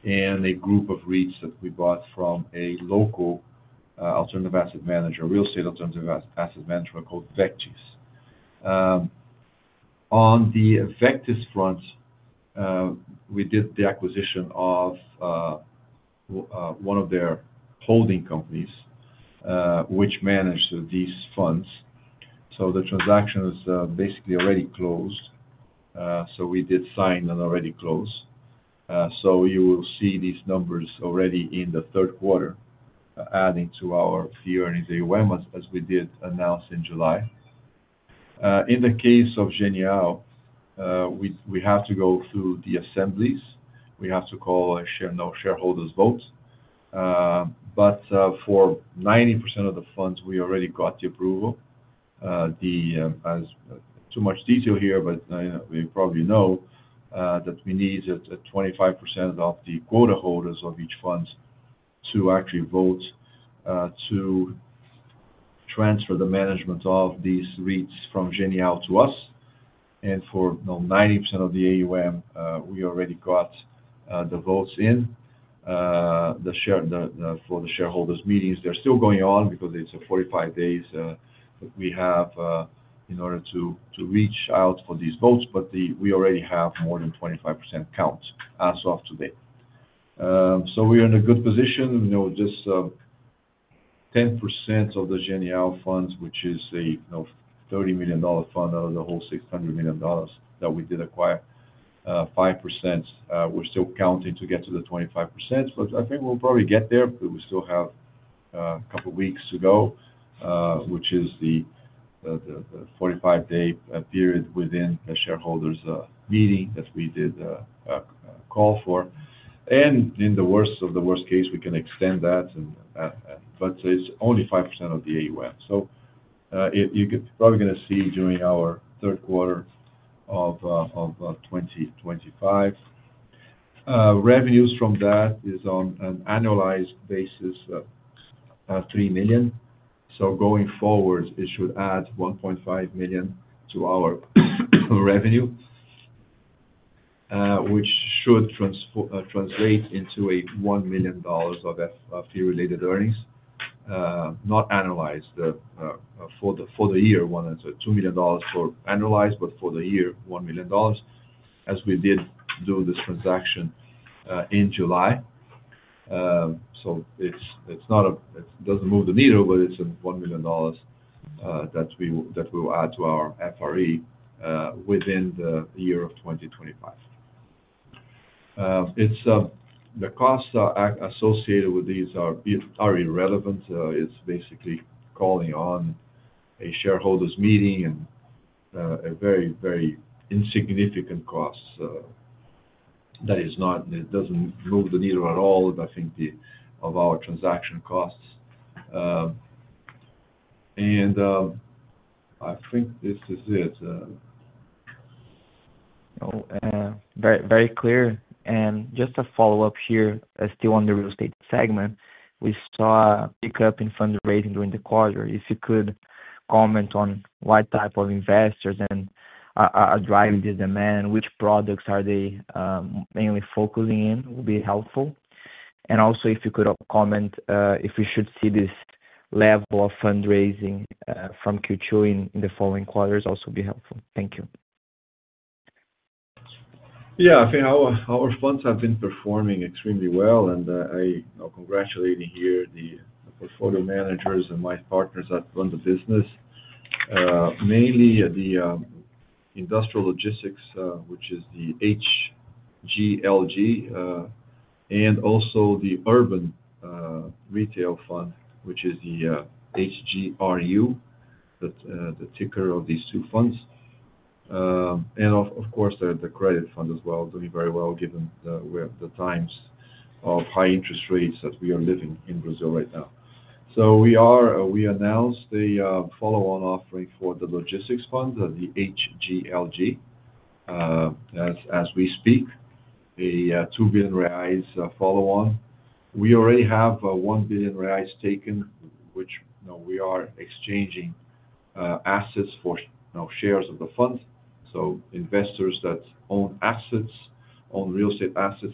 and a group of REITs that we bought from a local alternative asset manager, a real estate alternative asset manager called Vectis. On the Vectis front, we did the acquisition of one of their holding companies, which managed these funds. The transaction was basically already closed. We did sign and already close. You will see these numbers already in the third quarter, adding to our fee-earning AUM as we did announce in July. In the case of Genial, we have to go through the assemblies. We have to call a shareholders' vote. For 90% of the funds, we already got the approval. Too much detail here, but you probably know that we needed 25% of the quota holders of each fund to actually vote to transfer the management of these REITs from Genial to us. For 90% of the AUM, we already got the votes in for the shareholders' meetings. They're still going on because it's a 45 days that we have in order to reach out for these votes, but we already have more than 25% count as of today. We are in a good position. Just 10% of the Genial funds, which is a $30 million fund out of the whole $600 million that we did acquire, 5%. We're still counting to get to the 25%, but I think we'll probably get there. We still have a couple of weeks to go, which is the 45-day period within the shareholders' meeting that we did call for. In the worst of the worst case, we can extend that, but it's only 5% of the AUM. You're probably going to see during our third quarter of 2025, revenues from that is on an annualized basis of $3 million. Going forward, it should add $1.5 million to our revenue, which should translate into $1 million of fee-related earnings, not annualized for the year, $2 million for annualized, but for the year, $1 million, as we did do this transaction in July. It doesn't move the needle, but it's $1 million that we will add to our FRE within the year of 2025. The costs associated with these are irrelevant. It's basically calling on a shareholders' meeting and a very, very insignificant cost that doesn't move the needle at all, I think, of our transaction costs. I think this is it. Very clear. Just a follow-up here, still on the real estate segment, we saw a pickup in fundraising during the quarter. If you could comment on what type of investors are driving this demand, which products are they mainly focusing in, it would be helpful. Also, if you could comment if we should see this level of fundraising from Q2 in the following quarters, it would be helpful. Thank you. Yeah. I think our funds have been performing extremely well, and I'm congratulating here the portfolio managers and my partners that run the business, mainly the industrial logistics, which is the HGLG, and also the Urban Retail Fund, which is the HGRU, the ticker of these two funds, and of course, the credit fund as well, doing very well given the times of high interest rates that we are living in Brazil right now. We announced a follow-on offering for the logistics fund, the HGLG, as we speak. A 2 billion reais follow-on. We already have 1 billion reais taken, which, you know, we are exchanging assets for shares of the fund. Investors that own assets, own real estate assets,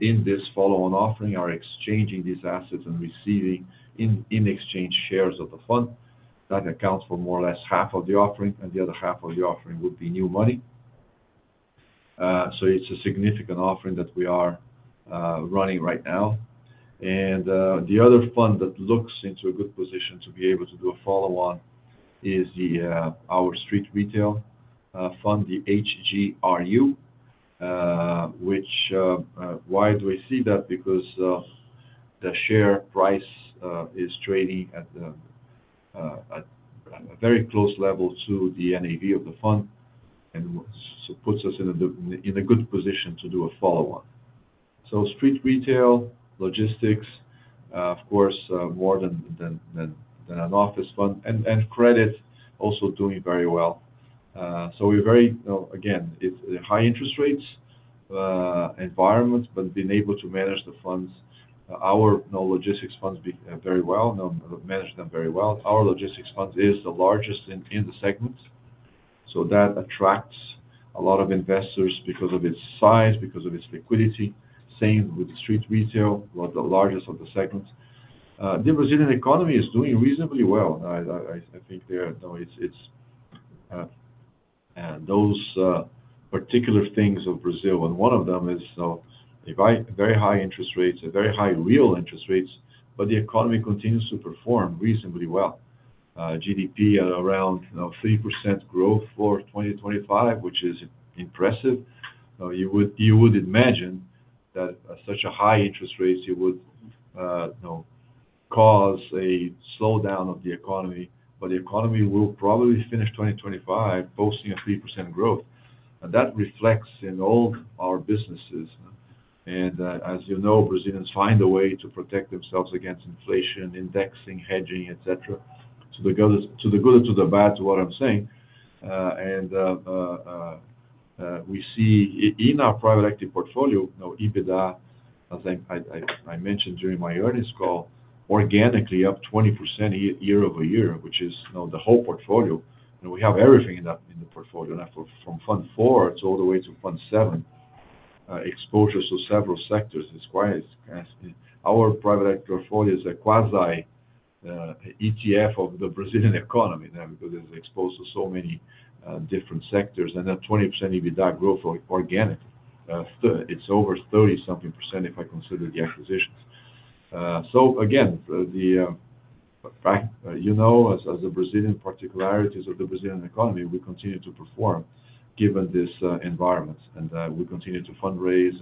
in this follow-on offering, are exchanging these assets and receiving, in exchange, shares of the fund. That accounts for more or less half of the offering, and the other half of the offering would be new money. It's a significant offering that we are running right now. The other fund that looks into a good position to be able to do a follow-on is our street retail fund, the HGRU. Why do we see that? Because the share price is trading at a very close level to the NAV of the fund, and so puts us in a good position to do a follow-on. Street retail, logistics, of course, more than an office fund, and credit also doing very well. We're very, you know, again, it's a high interest rates environment, but being able to manage the funds, our logistics funds, manage them very well. Our logistics fund is the largest in the segment. That attracts a lot of investors because of its size, because of its liquidity. Same with the street retail, the largest of the segment. The Brazilian economy is doing reasonably well. Now, I think there, you know, it's those particular things of Brazil. One of them is a very high interest rates, a very high real interest rates, but the economy continues to perform reasonably well. GDP at around 3% growth for 2025, which is impressive. You would imagine that such a high interest rate would cause a slowdown of the economy. The economy will probably finish 2025 posting a 3% growth. That reflects in all our businesses, and as you know, Brazilians find a way to protect themselves against inflation, indexing, hedging, etc. To the good or to the bad, to what I'm saying. We see in our private equity portfolio, you know, EBITDA, as I mentioned during my earnings call, organically up 20% year-over-year, which is, you know, the whole portfolio. We have everything in the portfolio now, from Fund IV all the way to Fund VII, exposure to several sectors. It's quite, it's as our private equity portfolio is a quasi ETF of the Brazilian economy now because it's exposed to so many different sectors. That 20% EBITDA growth organic, it's over 30% if I consider the acquisitions. The particularities of the Brazilian economy, we continue to perform given this environment. We continue to fundraise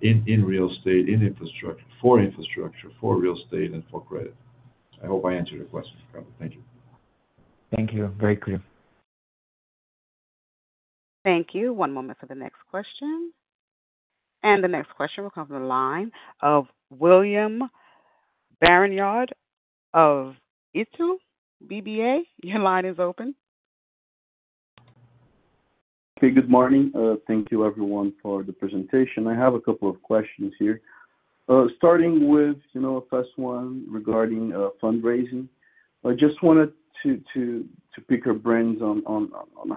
in real estate, in infrastructure, for infrastructure, for real estate, and for credit. I hope I answered your question. Thank you. Thank you. Very clear. Thank you. One moment for the next question. The next question will come from the line of William Barranjard of Itaú BBA. Your line is open. Okay. Good morning. Thank you, everyone, for the presentation. I have a couple of questions here. Starting with a first one regarding fundraising. I just wanted to pick your brains on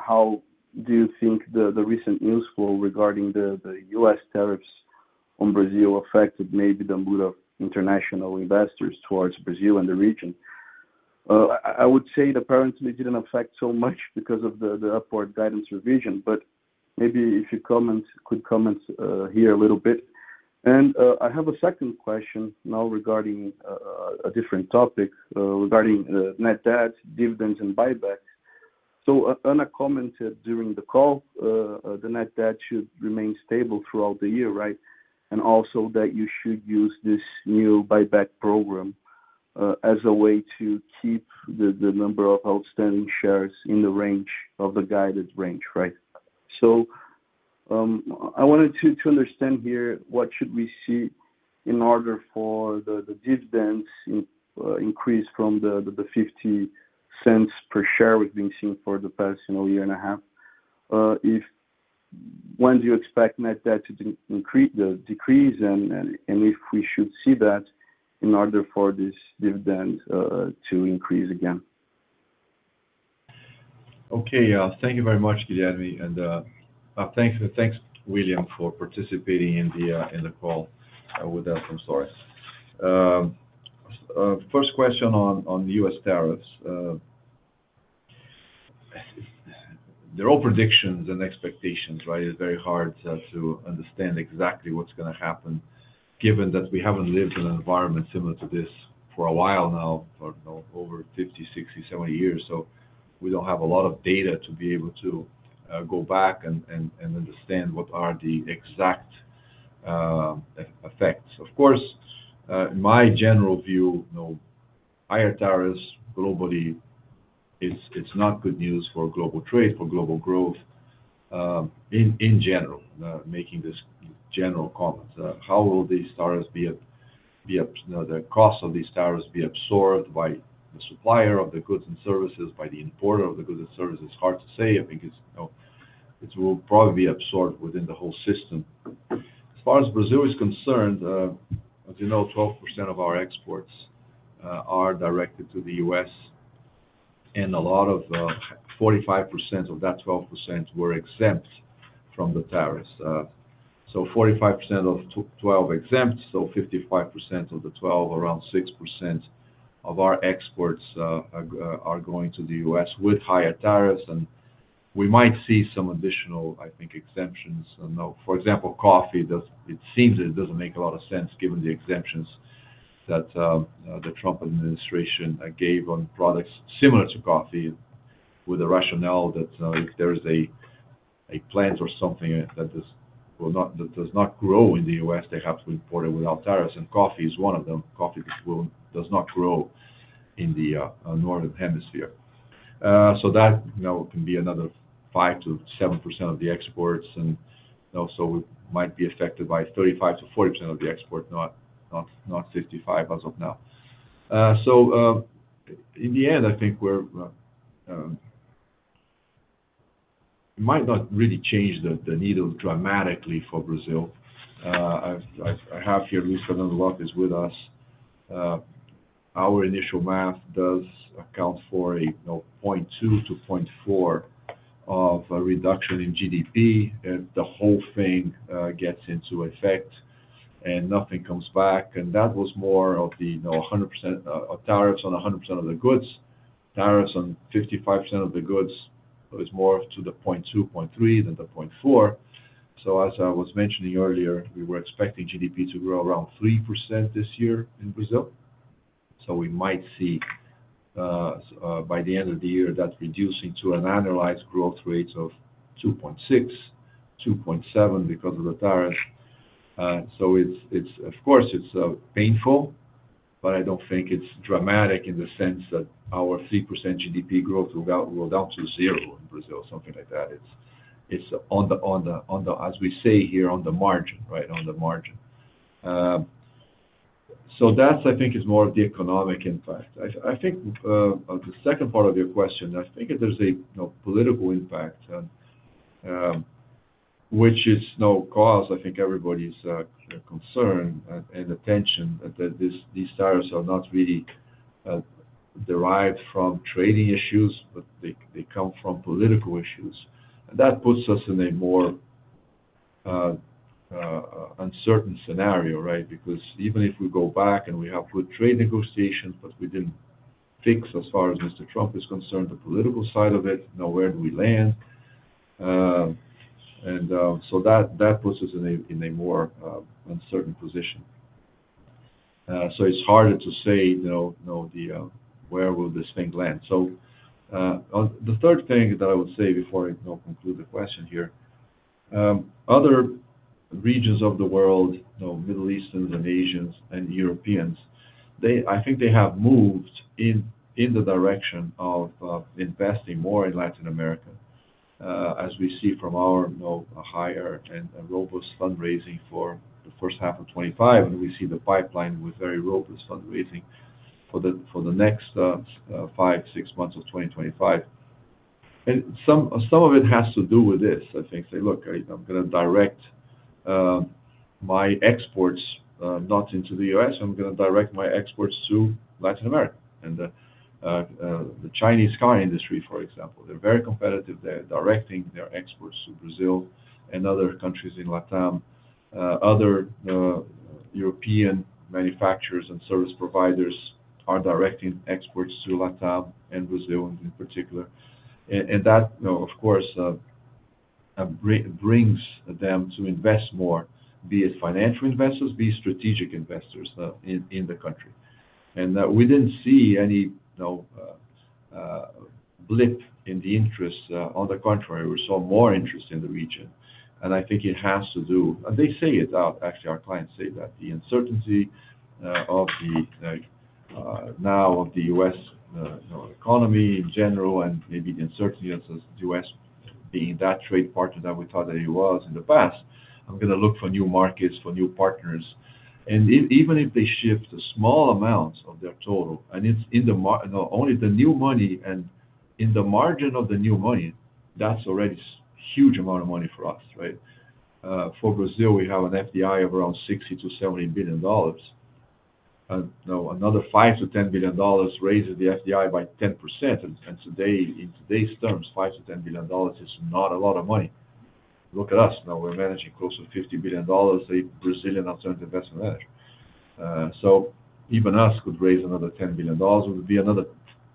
how you think the recent news flow regarding the U.S. tariffs on Brazil affected maybe the mood of international investors towards Brazil and the region. I would say it apparently didn't affect so much because of the upward guidance revision. Could you comment here a little bit. I have a second question now regarding a different topic, regarding the net debt, dividends, and buybacks. Ana commented during the call the net debt should remain stable throughout the year, right? Also, that you should use this new buyback program as a way to keep the number of outstanding shares in the range of the guided range, right? I wanted to understand here what should we see in order for the dividends to increase from the $0.50 per share we've been seeing for the past year and a half. When do you expect net debt to increase, decrease, and if we should see that in order for this dividend to increase again? Okay, thank you very much, Guilherme. Thank you, William, for participating in the call. First question on the U.S. tariffs. There are all predictions and expectations, right? It's very hard to understand exactly what's going to happen given that we haven't lived in an environment similar to this for a while now, for over 50, 60, 70 years. We don't have a lot of data to be able to go back and understand what are the exact effects. Of course, in my general view, higher tariffs globally is not good news for global trade, for global growth in general. Making this general comment, how will these tariffs be, you know, the cost of these tariffs be absorbed by the supplier of the goods and services, by the importer of the goods and services? It's hard to say. I think it will probably be absorbed within the whole system. As far as Brazil is concerned, as you know, 12% of our exports are directed to the U.S. and a lot of 45% of that 12% were exempt from the tariffs. So 45% of 12 exempt, so 55% of the 12, around 6% of our exports, are going to the U.S. with higher tariffs. We might see some additional exemptions. For example, coffee, it seems that it doesn't make a lot of sense given the exemptions that the Trump administration gave on products similar to coffee with a rationale that if there is a plant or something that does not grow in the U.S., they have to import it without tariffs. Coffee is one of them. Coffee does not grow in the northern hemisphere. That can be another 5%-7% of the exports. We might be affected by 35%-40% of the export, not 55% as of now. In the end, I think it might not really change the needle dramatically for Brazil. I have here Luis Fernando Lopes with us. Our initial math does account for a 0.2%-0.4% of a reduction in GDP if the whole thing gets into effect and nothing comes back. That was more of the 100% tariffs on 100% of the goods. Tariffs on 55% of the goods was more to the 0.2%, 0.3% than the 0.4%. As I was mentioning earlier, we were expecting GDP to grow around 3% this year in Brazil. We might see, by the end of the year, that reducing to an annualized growth rate of 2.6%, 2.7% because of the tariffs. It's, of course, painful, but I don't think it's dramatic in the sense that our 3% GDP growth will go down to zero in Brazil or something like that. It's, as we say here, on the margin, right? On the margin. I think that is more of the economic impact. I think the second part of your question, I think that there's a political impact, which is, I think, everybody's concern and attention that these tariffs are not really derived from trading issues, but they come from political issues. That puts us in a more uncertain scenario, right? Because even if we go back and we have good trade negotiations, but we didn't fix, as far as Mr. Trump is concerned, the political side of it, now where do we land? That puts us in a more uncertain position. It's harder to say where will this thing land. The third thing that I would say before I conclude the question here, other regions of the world, Middle Easterns and Asians and Europeans, I think they have moved in the direction of investing more in Latin America, as we see from our higher and robust fundraising for the first half of 2025. We see the pipeline with very robust fundraising for the next five, six months of 2025. Some of it has to do with this, I think. Say, look, I'm going to direct my exports, not into the U.S. I'm going to direct my exports to Latin America. The Chinese car industry, for example, they're very competitive. They're directing their exports to Brazil and other countries in LATAM. Other European manufacturers and service providers are directing exports to LATAM and Brazil in particular. That, of course, brings them to invest more, be it financial investors, be it strategic investors, in the country. We didn't see any blip in the interest. On the contrary, we saw more interest in the region. I think it has to do, and they say it out, actually, our clients say that the uncertainty of the U.S. economy in general and maybe the uncertainty of the U.S. being that trade partner that we thought that it was in the past. I'm going to look for new markets, for new partners. Even if they shift a small amount of their total, and it's in the, you know, only the new money and in the margin of the new money, that's already a huge amount of money for us, right? For Brazil, we have an FDI of around $60 billion-$70 billion. Now, another $5 billion-$10 billion raises the FDI by 10%. In today's terms, $5billion-$10 billion is not a lot of money. Look at us. Now, we're managing close to $50 billion, a Brazilian alternative investment management. Even us could raise another $10 billion. It would be another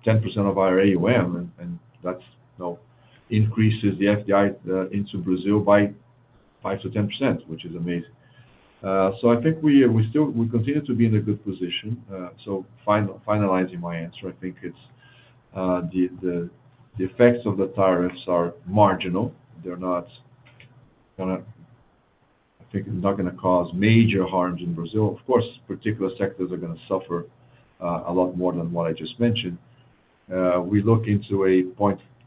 10% of our AUM. That increases the FDI into Brazil by 5%-10%, which is amazing. I think we continue to be in a good position. Finalizing my answer, I think the effects of the tariffs are marginal. They're not going to, I think, not going to cause major harms in Brazil. Of course, particular sectors are going to suffer a lot more than what I just mentioned. We look into a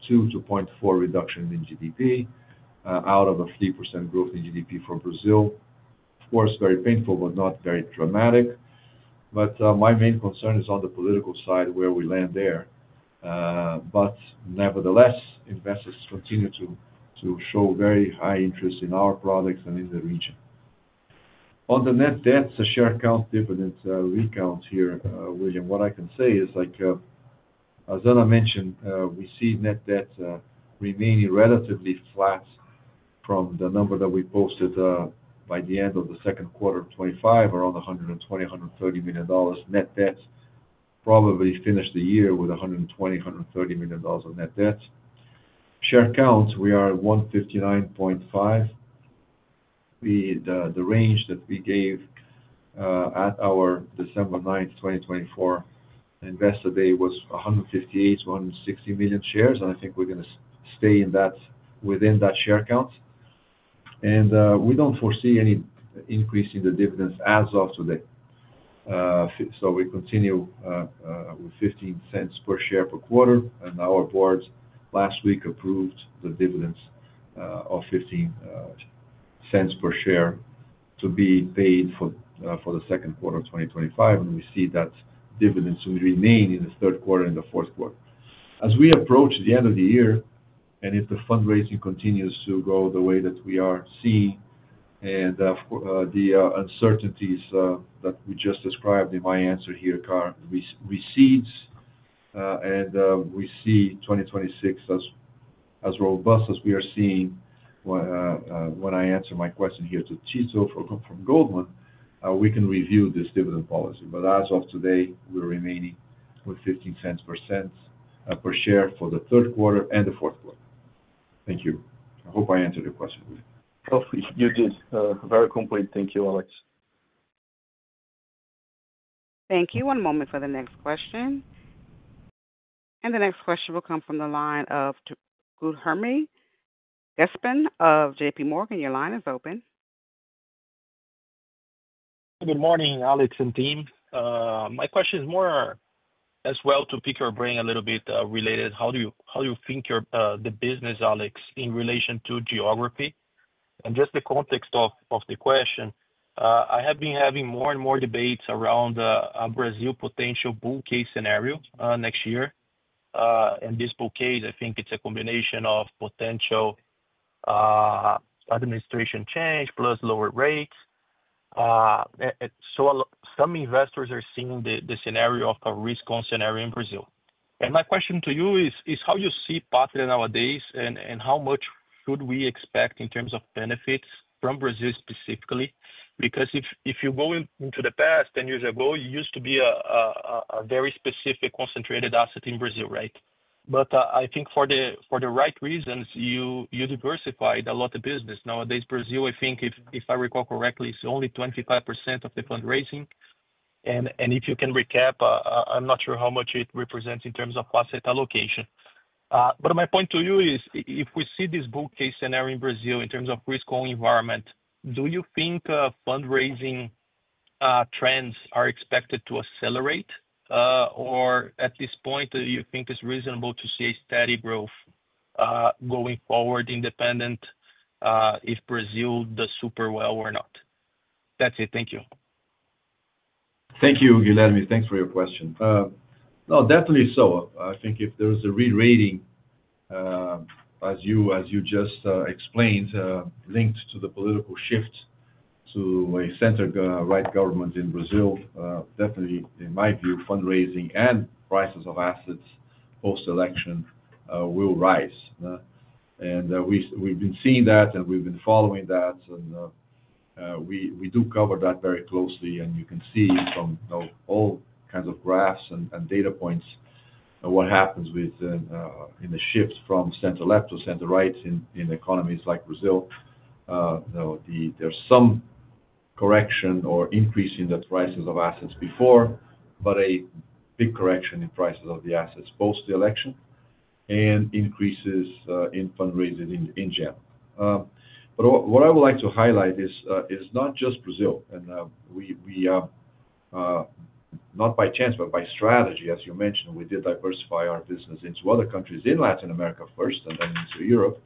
0.2%-0.4% reduction in GDP, out of a 3% growth in GDP for Brazil. Of course, very painful, but not very dramatic. My main concern is on the political side where we land there. Nevertheless, investors continue to show very high interest in our products and in the region. On the net debt, the share count dividend recount here, William, what I can say is, like, as Ana mentioned, we see net debt remaining relatively flat from the number that we posted by the end of the second quarter of 2025, around $120 million-$130 million net debt. Probably finish the year with $120 to $130 million of net debt. Share counts, we are at 159.5. The range that we gave at our December 9, 2024, Investor Day was 158-160 million shares. I think we're going to stay within that share count. We don't foresee any increase in the dividends as of today. We continue with $0.15 per share per quarter. Our boards last week approved the dividends of $0.15 per share to be paid for the second quarter of 2025. We see that dividends remain in the third quarter and the fourth quarter. As we approach the end of the year, and if the fundraising continues to go the way that we are seeing, and the uncertainties that we just described in my answer here, and we see 2026 as robust as we are seeing, when I answer my question here to Tito from Goldman, we can review this dividend policy. As of today, we're remaining with $0.15 per share for the third quarter and the fourth quarter. Thank you. I hope I answered your question, William. You did. Very complete. Thank you, Alex. Thank you. One moment for the next question. The next question will come from the line of Guilherme Grespan of JPMorgan. Your line is open. Good morning, Alex and team. My question is more as well to pick your brain a little bit, related. How do you, how do you think your, the business, Alex, in relation to geography? Just the context of the question, I have been having more and more debates around a Brazil potential bull case scenario next year. This bull case, I think it's a combination of potential administration change plus lower rates. Some investors are seeing the scenario of a risk-on scenario in Brazil. My question to you is, how you see Patria nowadays and how much should we expect in terms of benefits from Brazil specifically? If you go into the past, 10 years ago, it used to be a very specific concentrated asset in Brazil, right? I think for the right reasons, you diversified a lot of business. Nowadays, Brazil, I think, if I recall correctly, it's only 25% of the fundraising. If you can recap, I'm not sure how much it represents in terms of asset allocation. My point to you is, if we see this bull case scenario in Brazil in terms of risk-on environment, do you think fundraising trends are expected to accelerate? At this point, do you think it's reasonable to see a steady growth going forward independent, if Brazil does super well or not? That's it. Thank you. Thank you, Guilherme. Thanks for your question. No, definitely so. I think if there's a rerating, as you just explained, linked to the political shift to a center-right government in Brazil, definitely, in my view, fundraising and prices of assets post-election will rise. We've been seeing that, and we've been following that. We do cover that very closely. You can see from all kinds of graphs and data points what happens with the shift from center-left to center-right in economies like Brazil. There's some correction or increase in the prices of assets before, but a big correction in prices of the assets post-election and increases in fundraising in general. What I would like to highlight is, it's not just Brazil. We, not by chance, but by strategy, as you mentioned, did diversify our business into other countries in Latin America first and then into Europe.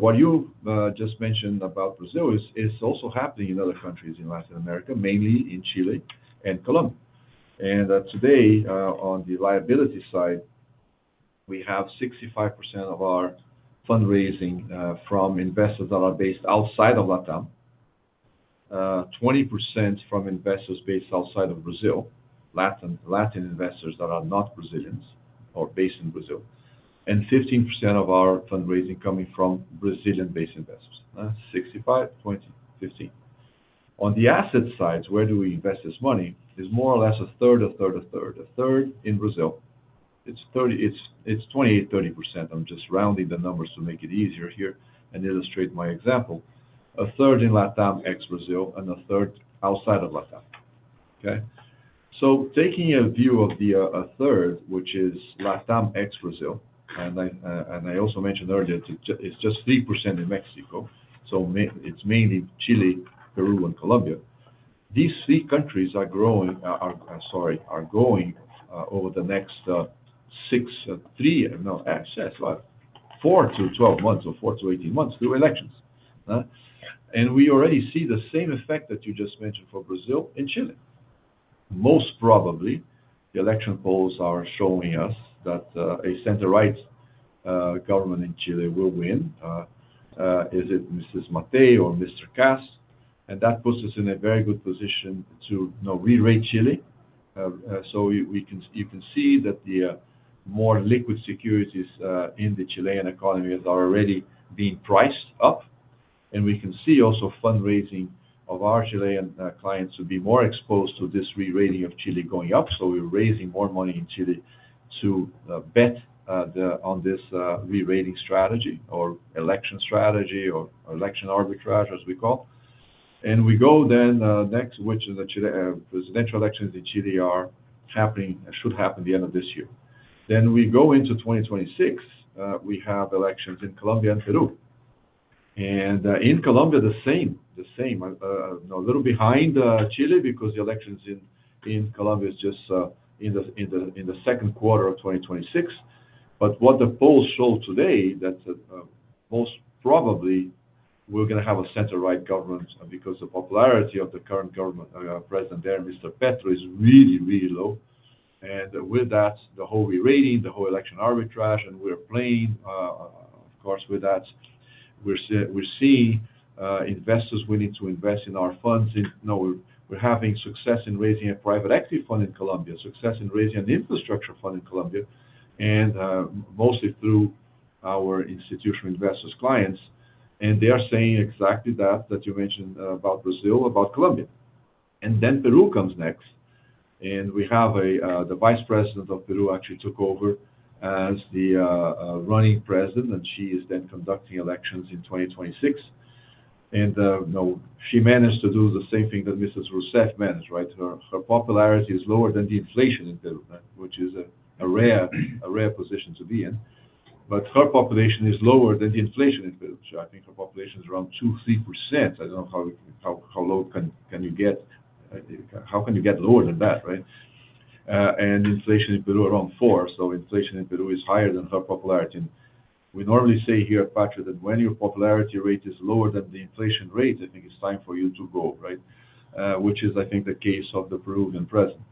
What you just mentioned about Brazil is also happening in other countries in Latin America, mainly in Chile and Colombia. Today, on the liability side, we have 65% of our fundraising from investors that are based outside of LATAM, 20% from investors based outside of Brazil, Latin investors that are not Brazilians or based in Brazil, and 15% of our fundraising coming from Brazilian-based investors. 65%, 20%, 15%. On the asset sides, where do we invest this money? It's more or less a third, a third, a third. A third in Brazil. It's 30%, it's 28%, 30%. I'm just rounding the numbers to make it easier here and illustrate my example. A third in LATAM ex-Brazil and a third outside of LATAM. Taking a view of the third, which is LATAM ex-Brazil, and I also mentioned earlier, it's just 3% in Mexico. It's mainly Chile, Peru, and Colombia. These three countries are going, over the next four to 12 months or four to 18 months, through elections. We already see the same effect that you just mentioned for Brazil in Chile. Most probably, the election polls are showing us that a center-right government in Chile will win. Is it Mrs. Mate or Mr. Cast? That puts us in a very good position to rerate Chile. You can see that the more liquid securities in the Chilean economy have already been priced up. We can see also fundraising of our Chilean clients to be more exposed to this rerating of Chile going up. We're raising more money in Chile to bet on this rerating strategy or election strategy or election arbitrage, as we call it. We go next, which is the presidential elections in Chile, happening, should happen at the end of this year. We go into 2026. We have elections in Colombia and Peru. In Colombia, the same, a little behind Chile because the elections in Colombia are just in the second quarter of 2026. What the polls show today is that most probably we're going to have a center-right government because the popularity of the current government, President there, Mr. Petro, is really, really low. With that, the whole rerating, the whole election arbitrage, and we're playing, of course, with that. We're seeing investors willing to invest in our funds. We're having success in raising a private equity fund in Colombia, success in raising an infrastructure fund in Colombia, mostly through our institutional investors' clients. They are saying exactly that, that you mentioned, about Brazil, about Colombia. Peru comes next. We have the Vice President of Peru actually took over as the running President. She is then conducting elections in 2026. She managed to do the same thing that Mrs. Rousseff managed, right? Her popularity is lower than the inflation in Peru, which is a rare position to be in. Her popularity is lower than the inflation in Peru. I think her popularity is around 2%, 3%. I don't know how low can you get, how can you get lower than that, right? Inflation in Peru is around 4%. Inflation in Peru is higher than her popularity. We normally say here at Patria that when your popularity rate is lower than the inflation rate, I think it's time for you to go, right? Which is, I think, the case of the Peruvian President.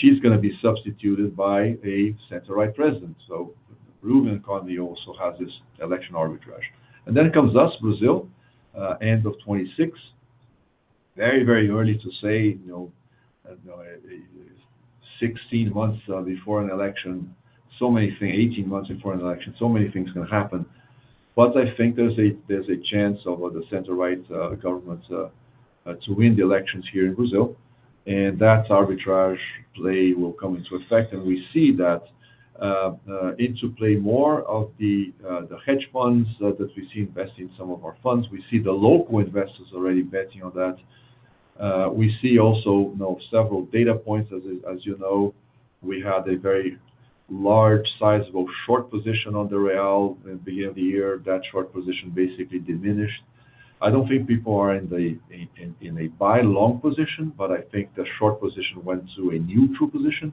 She's going to be substituted by a center-right President. The Peruvian economy also has this election arbitrage. Then comes us, Brazil, end of 2026. Very, very early to say, you know, 16 months before an election, so many things, 18 months before an election, so many things can happen. I think there's a chance of the center-right government to win the elections here in Brazil. That arbitrage play will come into effect. We see that come into play more with the hedge funds that we see investing in some of our funds. We see the local investors already betting on that. We see also several data points. As you know, we had a very large, sizable short position on the real at the beginning of the year. That short position basically diminished. I don't think people are in a buy-long position, but I think the short position went to a neutral position.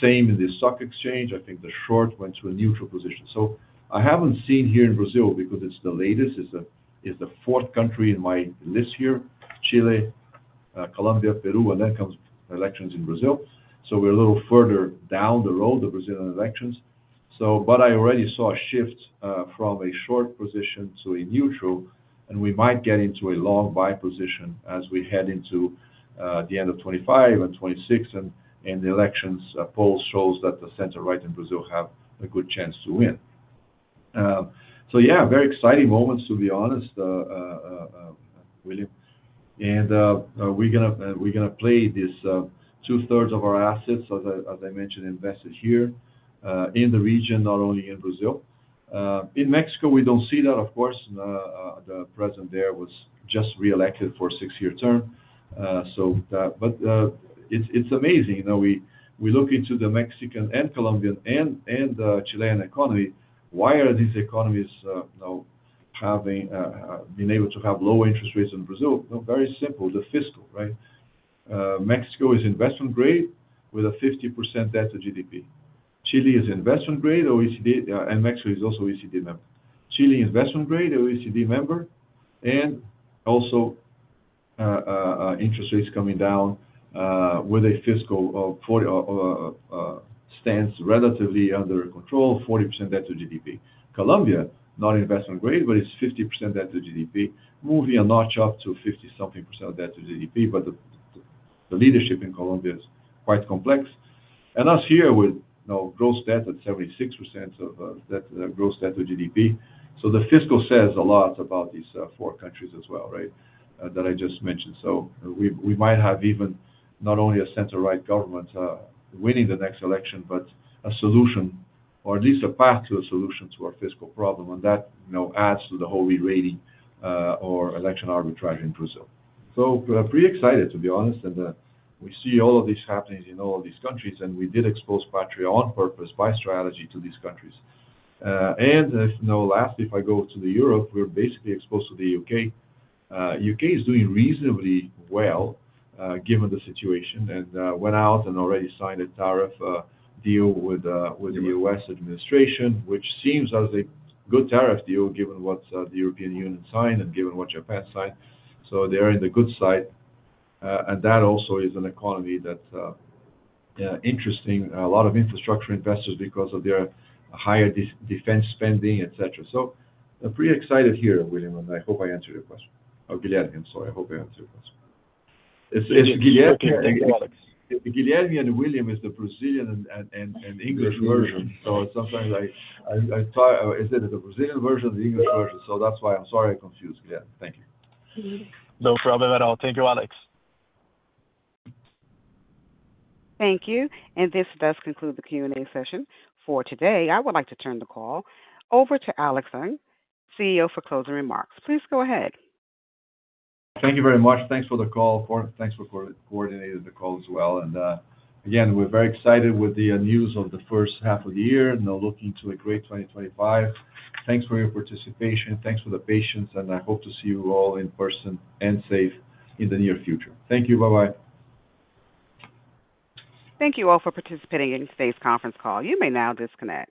Same in the stock exchange. I think the short went to a neutral position. I haven't seen here in Brazil because it's the latest. It's the fourth country in my list here: Chile, Colombia, Peru, and then comes elections in Brazil. We're a little further down the road, the Brazilian elections. I already saw a shift from a short position to a neutral. We might get into a long buy position as we head into the end of 2025 and 2026. The elections polls show that the center-right in Brazil have a good chance to win. Very exciting moments, to be honest, William. We're going to play this, two-thirds of our assets, as I mentioned, invested here in the region, not only in Brazil. In Mexico, we don't see that, of course. The president there was just reelected for a six-year term. It's amazing. We look into the Mexican and Colombian and Chilean economy. Why are these economies having been able to have lower interest rates than Brazil? Very simple, the fiscal, right? Mexico is investment grade with a 50% debt to GDP. Chile is investment grade OECD, and Mexico is also OECD member. Chile is investment grade OECD member. Also, interest rates coming down, with a fiscal that stands relatively under control, 40% debt to GDP. Colombia, not investment grade, but it's 50% debt to GDP, moving a notch up to 50-something percent of debt to GDP. The leadership in Colombia is quite complex. Us here with gross debt at 76% of that, gross debt to GDP. The fiscal says a lot about these four countries as well, right, that I just mentioned. We might have even not only a center-right government winning the next election, but a solution, or at least a path to a solution to our fiscal problem. That adds to the whole rerating or election arbitrage in Brazil. Pretty excited, to be honest. We see all of this happening in all of these countries. We did expose Patria on purpose by strategy to these countries. If I go to Europe, we're basically exposed to the U.K. The U.K is doing reasonably well, given the situation. They went out and already signed a tariff deal with the U.S. administration, which seems a good tariff deal given what the European Union signed and given what Japan signed. They're on the good side. That also is an economy that's interesting to a lot of infrastructure investors because of their higher defense spending, etc. Pretty excited here, William. I hope I answered your question. Oh, Guilherme, I'm sorry. I hope I answered your question. It's Guilherme. Guilherme and William is the Brazilian and English version. Sometimes I try, is it the Brazilian version or the English version? That's why I'm sorry I confused, Guilherme. Thank you. No problem at all. Thank you, Alex. Thank you. This does conclude the Q&A session for today. I would like to turn the call over to Alex Saigh, CEO, for closing remarks. Please go ahead. Thank you very much. Thanks for the call. Thanks for coordinating the call as well. We're very excited with the news of the first half of the year. Now looking to a great 2025. Thanks for your participation. Thanks for the patience. I hope to see you all in person and safe in the near future. Thank you. Bye-bye. Thank you all for participating in today's conference call. You may now disconnect.